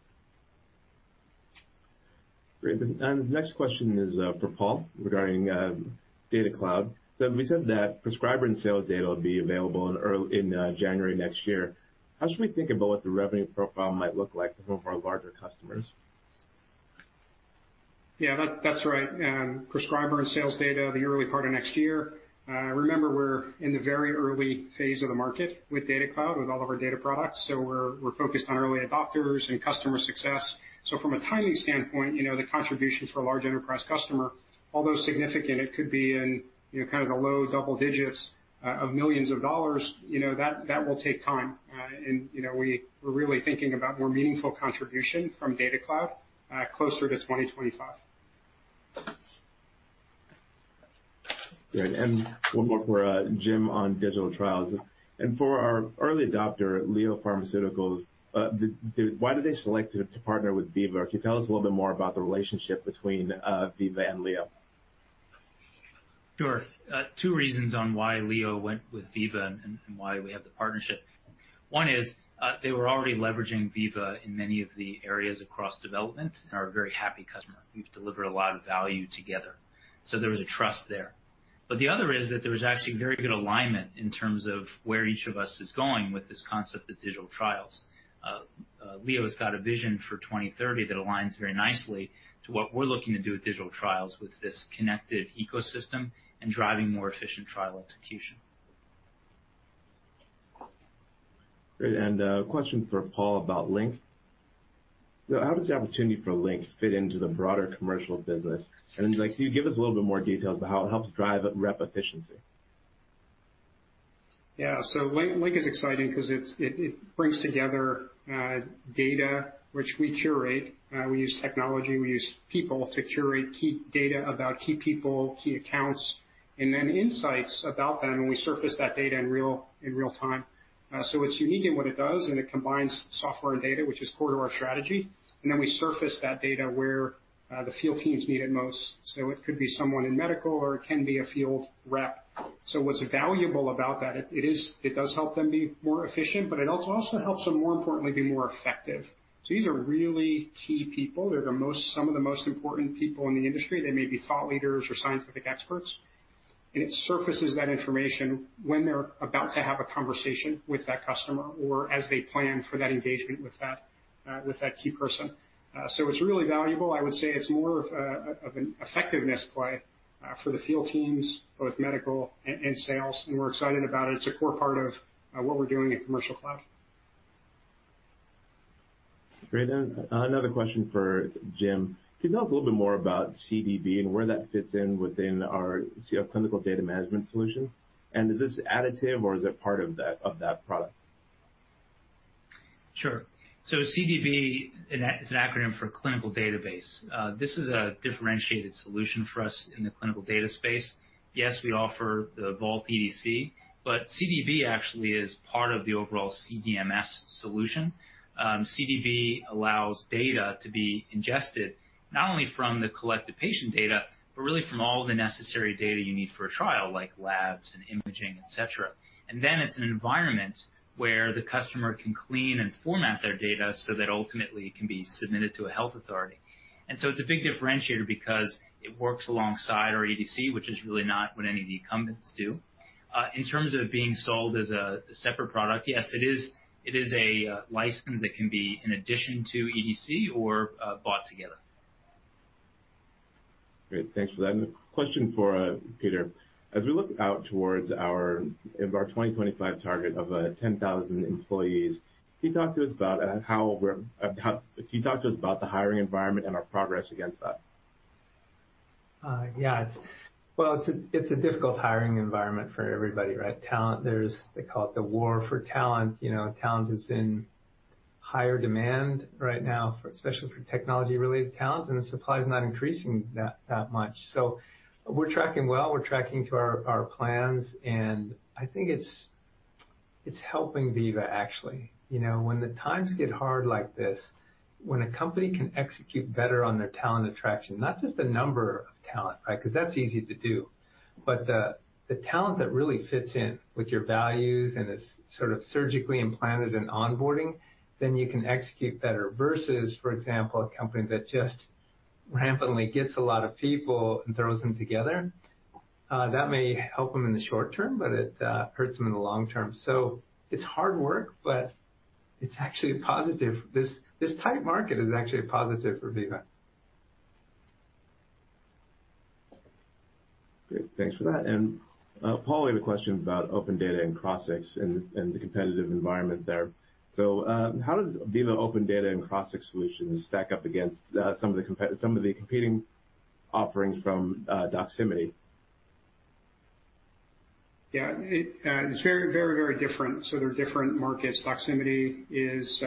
Great. Next question is for Paul regarding Data Cloud. We said that prescriber and sales data will be available in January next year. How should we think about what the revenue profile might look like for some of our larger customers? Yeah, that's right. Prescriber and sales data in the early part of next year. Remember, we're in the very early phase of the market with Data Cloud, with all of our data products, so we're focused on early adopters and customer success. From a timing standpoint, you know, the contribution for a large enterprise customer, although significant, it could be in, you know, kind of the low double digits of millions of dollars, you know, that will take time. We're really thinking about more meaningful contribution from Data Cloud closer to 2025. Great. One more for Jim on digital trials. For our early adopter, LEO Pharma, why did they select to partner with Veeva? Can you tell us a little bit more about the relationship between Veeva and Leo? Sure. Two reasons on why Leo went with Veeva and why we have the partnership. One is, they were already leveraging Veeva in many of the areas across development and are a very happy customer. We've delivered a lot of value together. So there was a trust there. The other is that there was actually very good alignment in terms of where each of us is going with this concept of digital trials. Leo has got a vision for 2030 that aligns very nicely to what we're looking to do with digital trials with this connected ecosystem and driving more efficient trial execution. Great. Question for Paul about Link. How does the opportunity for Link fit into the broader commercial business? Like, can you give us a little bit more details about how it helps drive rep efficiency? Yeah. Link is exciting 'cause it brings together data which we curate. We use technology, we use people to curate key data about key people, key accounts, and then insights about them, and we surface that data in real time. It's unique in what it does, and it combines software and data, which is core to our strategy. Then we surface that data where the field teams need it most. It could be someone in medical, or it can be a field rep. What's valuable about that, it does help them be more efficient, but it also helps them, more importantly, be more effective. These are really key people. They're some of the most important people in the industry. They may be thought leaders or scientific experts. It surfaces that information when they're about to have a conversation with that customer or as they plan for that engagement with that key person. It's really valuable. I would say it's more of an effectiveness play for the field teams, both medical and sales, and we're excited about it. It's a core part of what we're doing in Commercial Cloud. Great. Another question for Jim. Can you tell us a little bit more about CDB and where that fits in within our clinical data management solution? Is this additive or is it part of that product? Sure. CDB is an acronym for Clinical Database. This is a differentiated solution for us in the clinical data space. Yes, we offer the Vault EDC, but CDB actually is part of the overall CDMS solution. CDB allows data to be ingested not only from the collected patient data, but really from all the necessary data you need for a trial, like labs and imaging, et cetera. It's an environment where the customer can clean and format their data so that ultimately it can be submitted to a health authority. It's a big differentiator because it works alongside our EDC, which is really not what any of the incumbents do. In terms of being sold as a separate product, yes, it is. It is a license that can be in addition to EDC or bought together. Great. Thanks for that. A question for Peter. As we look out towards our 2025 target of 10,000 employees, can you talk to us about the hiring environment and our progress against that? Yeah. Well, it's a difficult hiring environment for everybody, right? Talent, they call it the war for talent. You know, talent is in higher demand right now, especially for technology-related talent, and the supply is not increasing that much. We're tracking well, we're tracking to our plans, and I think it's helping Veeva, actually. You know, when the times get hard like this, when a company can execute better on their talent attraction, not just the number of talent, right? Because that's easy to do. But the talent that really fits in with your values and is sort of surgically implanted in onboarding, then you can execute better versus, for example, a company that just rampantly gets a lot of people and throws them together. That may help them in the short term, but it hurts them in the long term. It's hard work, but it's actually a positive. This tight market is actually a positive for Veeva. Great. Thanks for that. Paul, we have a question about OpenData and Crossix and the competitive environment there. How does Veeva OpenData and Crossix solutions stack up against some of the competing offerings from Doximity? Yeah, it's very different. They're different markets. Doximity is,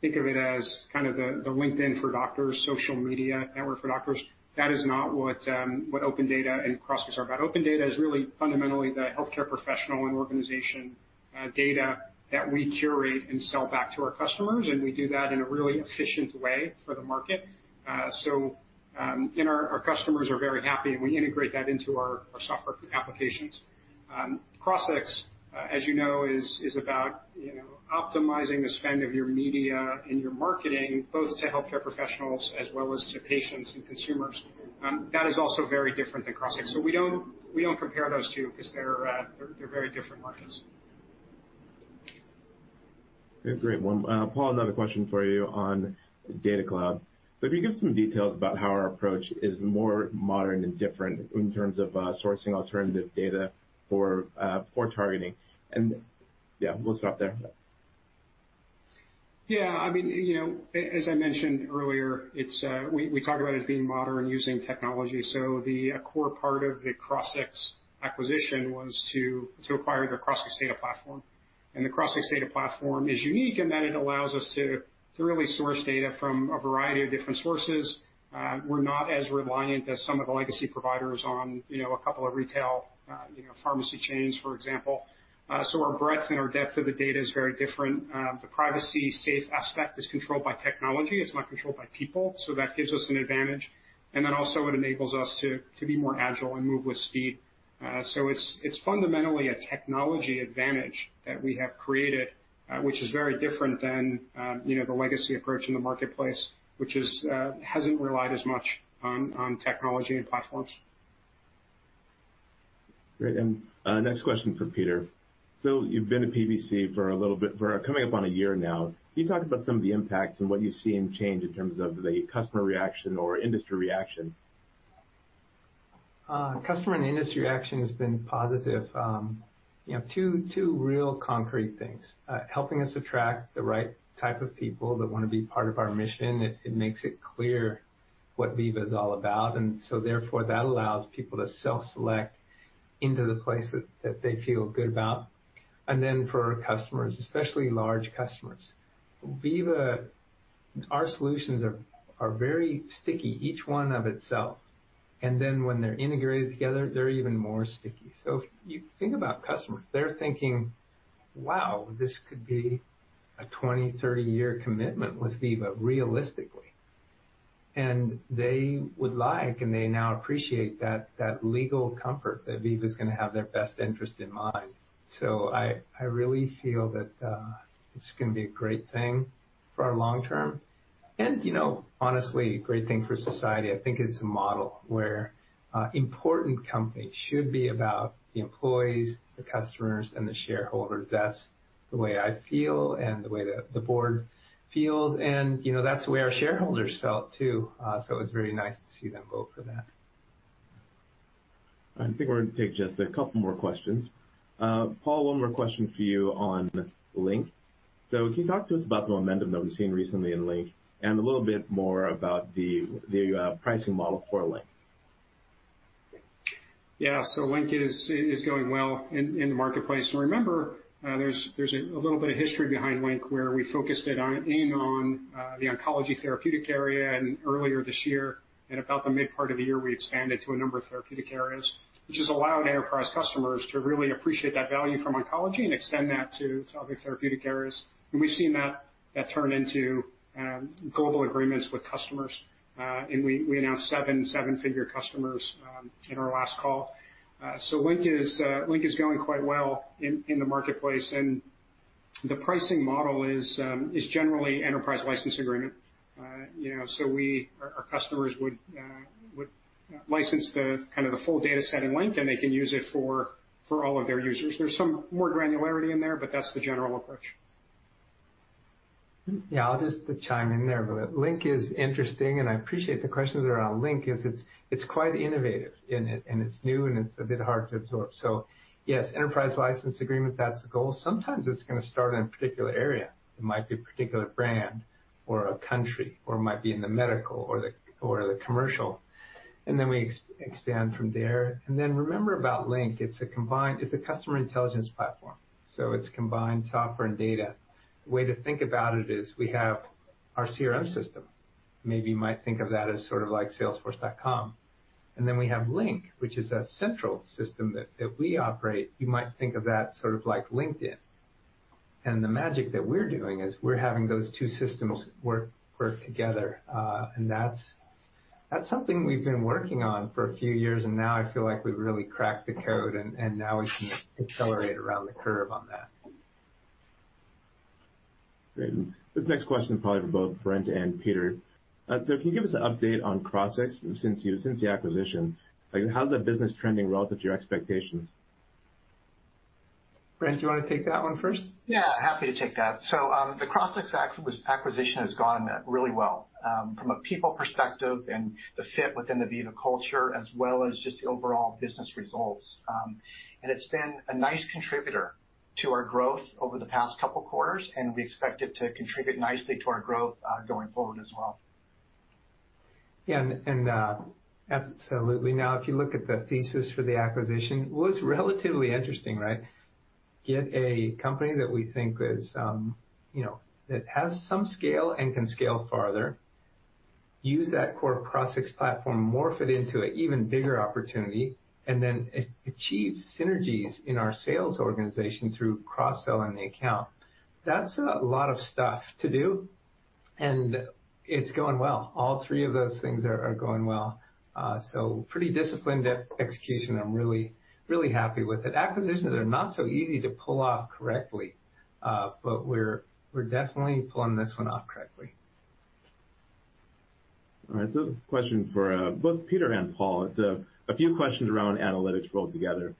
think of it as kind of the LinkedIn for doctors, social media network for doctors. That is not what OpenData and Crossix are about. OpenData is really fundamentally the healthcare professional and organization data that we curate and sell back to our customers, and we do that in a really efficient way for the market. Our customers are very happy, and we integrate that into our software applications. Crossix, as you know, is about, you know, optimizing the spend of your media and your marketing both to healthcare professionals as well as to patients and consumers. That is also very different than Crossix. We don't compare those two because they're very different markets. Okay, great. Well, Paul, another question for you on Data Cloud. Can you give some details about how our approach is more modern and different in terms of sourcing alternative data for targeting? Yeah, we'll stop there. I mean, you know, as I mentioned earlier, we talk about it as being modern using technology. The core part of the Crossix acquisition was to acquire the Crossix Data Platform. The Crossix Data Platform is unique in that it allows us to really source data from a variety of different sources. We're not as reliant as some of the legacy providers on, you know, a couple of retail, you know, pharmacy chains, for example. Our breadth and our depth of the data is very different. The privacy-safe aspect is controlled by technology. It's not controlled by people. That gives us an advantage. Then also it enables us to be more agile and move with speed. It's fundamentally a technology advantage that we have created, which is very different than, you know, the legacy approach in the marketplace, which hasn't relied as much on technology and platforms. Great. Next question for Peter. You've been at PBC for a little bit, for coming up on a year now. Can you talk about some of the impacts and what you've seen change in terms of the customer reaction or industry reaction? Customer and industry reaction has been positive. You know, two real concrete things. Helping us attract the right type of people that wanna be part of our mission. It makes it clear what Veeva is all about, and so therefore, that allows people to self-select into the place that they feel good about. For our customers, especially large customers, Veeva, our solutions are very sticky, each one of itself. When they're integrated together, they're even more sticky. You think about customers, they're thinking, "Wow, this could be a 20-30-year commitment with Veeva realistically." They would like, and they now appreciate that legal comfort that Veeva's gonna have their best interest in mind. I really feel that it's gonna be a great thing for our long term. You know, honestly, a great thing for society. I think it's a model where important companies should be about the employees, the customers, and the shareholders. That's the way I feel and the way the board feels. You know, that's the way our shareholders felt, too. It was very nice to see them vote for that. I think we're gonna take just a couple more questions. Paul, one more question for you on Link. Can you talk to us about the momentum that we've seen recently in Link and a little bit more about the pricing model for Link? Yeah. Link is going well in the marketplace. Remember, there's a little bit of history behind Link, where we focused it on the oncology therapeutic area and earlier this year, in about the mid part of the year, we expanded to a number of therapeutic areas, which has allowed enterprise customers to really appreciate that value from oncology and extend that to other therapeutic areas. We've seen that turn into global agreements with customers. We announced seven-figure customers in our last call. Link is going quite well in the marketplace. The pricing model is generally enterprise license agreement. You know, our customers would license the kind of the full data set in Link, and they can use it for all of their users. There's some more granularity in there, but that's the general approach. Yeah. I'll just chime in there. Link is interesting, and I appreciate the questions around Link. It's quite innovative and it's new, and it's a bit hard to absorb. Yes, enterprise license agreement, that's the goal. Sometimes it's gonna start in a particular area. It might be a particular brand or a country, or it might be in the medical or the commercial. Then we expand from there. Then remember about Link, it's a combined customer intelligence platform, so it's combined software and data. Way to think about it is we have our CRM system. Maybe you might think of that as sort of like salesforce.com. Then we have Link, which is a central system that we operate. You might think of that sort of like LinkedIn. The magic that we're doing is we're having those two systems work together. That's something we've been working on for a few years, and now I feel like we've really cracked the code, and now we can accelerate around the curve on that. Great. This next question is probably for both Brent and Peter. Can you give us an update on Crossix since the acquisition? Like, how's that business trending relative to your expectations? Brent, do you wanna take that one first? Yeah, happy to take that. The Crossix acquisition has gone really well, from a people perspective and the fit within the Veeva culture, as well as just the overall business results. It's been a nice contributor to our growth over the past couple quarters, and we expect it to contribute nicely to our growth, going forward as well. Yeah. Absolutely. Now, if you look at the thesis for the acquisition, it was relatively interesting, right? Get a company that we think is, you know, that has some scale and can scale farther, use that core Crossix platform, morph it into an even bigger opportunity, and then achieve synergies in our sales organization through cross-sell in the account. That's a lot of stuff to do, and it's going well. All three of those things are going well. Pretty disciplined execution. I'm really happy with it. Acquisitions are not so easy to pull off correctly, but we're definitely pulling this one off correctly. All right. Question for both Peter and Paul. It's a few questions around analytics rolled together.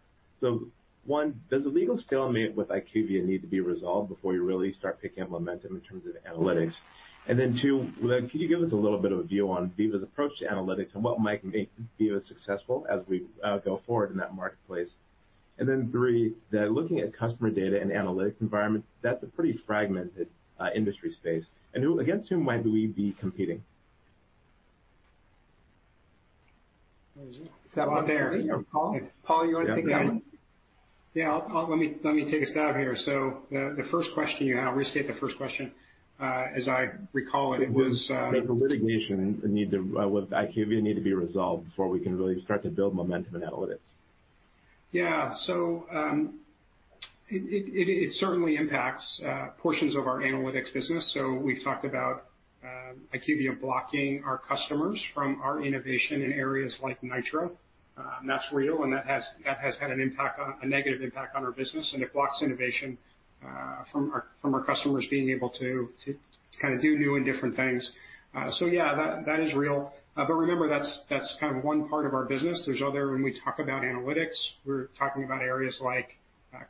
One, does the legal stalemate with IQVIA need to be resolved before you really start picking up momentum in terms of analytics? Two, can you give us a little bit of a view on Veeva's approach to analytics and what might make Veeva successful as we go forward in that marketplace? Three, looking at customer data and analytics environment, that's a pretty fragmented industry space. Who against whom might Veeva be competing? Is that one there or Paul? Paul, you wanna take that one? Yeah. Let me take a stab here. The first question you have, restate the first question. As I recall, it was, Does the litigation with IQVIA need to be resolved before we can really start to build momentum in analytics? Yeah. It certainly impacts portions of our analytics business. We've talked about IQVIA blocking our customers from our innovation in areas like Nitro. That's real, and that has had a negative impact on our business. It blocks innovation from our customers being able to to kinda do new and different things. Yeah, that is real. Remember, that's kind of one part of our business. There's other when we talk about analytics, we're talking about areas like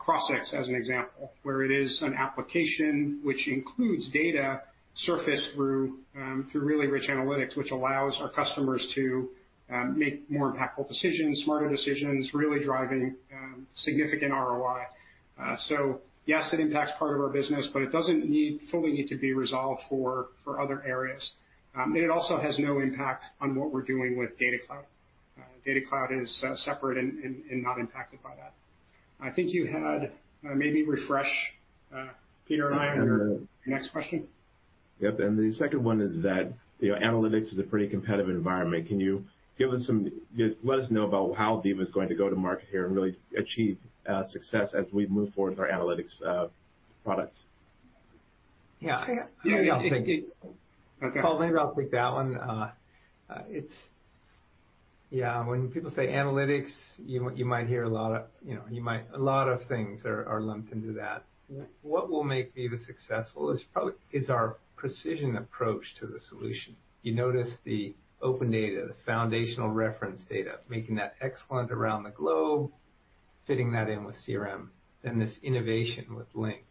Crossix, as an example, where it is an application which includes data surfaced through really rich analytics, which allows our customers to make more impactful decisions, smarter decisions, really driving significant ROI. Yes, it impacts part of our business, but it doesn't fully need to be resolved for other areas. It also has no impact on what we're doing with Data Cloud. Data Cloud is separate and not impacted by that. I think you had maybe refresh Peter and I on your next question. Yep. The second one is that, you know, analytics is a pretty competitive environment. Can you just let us know about how Veeva is going to go to market here and really achieve success as we move forward with our analytics products. Yeah. Yeah, I'll take it. Paul, maybe I'll take that one. When people say analytics, you might hear a lot of, you know, a lot of things are lumped into that. What will make Veeva successful is probably our precision approach to the solution. You notice the OpenData, the foundational reference data, making that excellent around the globe, fitting that in with CRM, then this innovation with Link,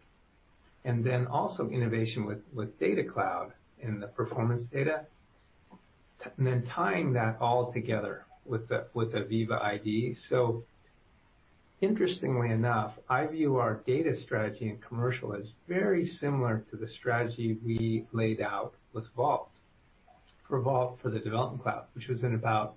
and then also innovation with Data Cloud and the performance data, and then tying that all together with the VeevaID. Interestingly enough, I view our data strategy in commercial as very similar to the strategy we laid out with Vault, for Vault for the Development Cloud, which was in about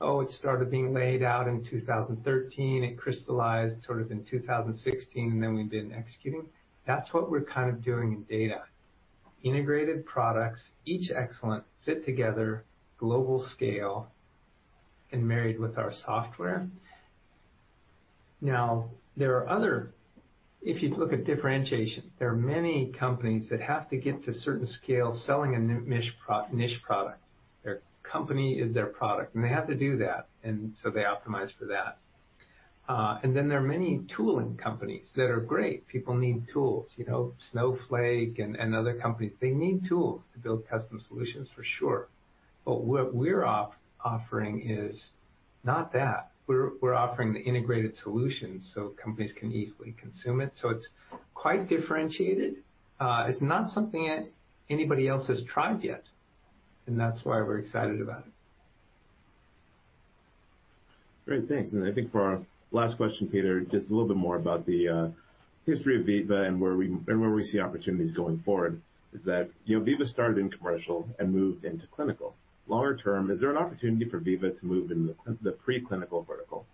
2013. It started being laid out in 2013. It crystallized sort of in 2016, and then we've been executing. That's what we're kind of doing in data. Integrated products, each excellent, fit together, global scale, and married with our software. Now, there are other. If you look at differentiation, there are many companies that have to get to a certain scale selling a niche product. Their company is their product, and they have to do that, and so they optimize for that. And then there are many tooling companies that are great. People need tools, you know, Snowflake and other companies. They need tools to build custom solutions, for sure. But what we're offering is not that. We're offering the integrated solutions so companies can easily consume it. It's quite differentiated. It's not something anybody else has tried yet, and that's why we're excited about it. Great. Thanks. I think for our last question, Peter, just a little bit more about the history of Veeva and where we see opportunities going forward is that, you know, Veeva started in commercial and moved into clinical. Longer term, is there an opportunity for Veeva to move into the preclinical vertical?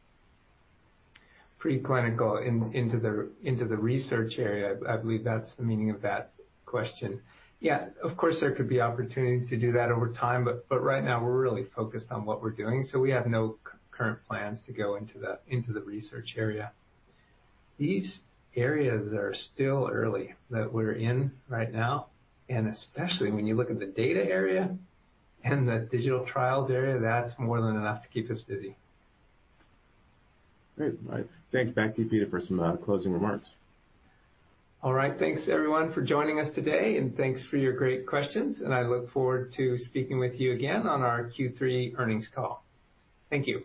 Preclinical into the research area. I believe that's the meaning of that question. Yeah, of course, there could be opportunity to do that over time, but right now we're really focused on what we're doing, so we have no current plans to go into the research area. These areas are still early that we're in right now, and especially when you look at the data area and the digital trials area, that's more than enough to keep us busy. Great. All right. Thank you. Back to you, Peter, for some closing remarks. All right. Thanks everyone for joining us today, and thanks for your great questions, and I look forward to speaking with you again on our Q3 earnings call. Thank you.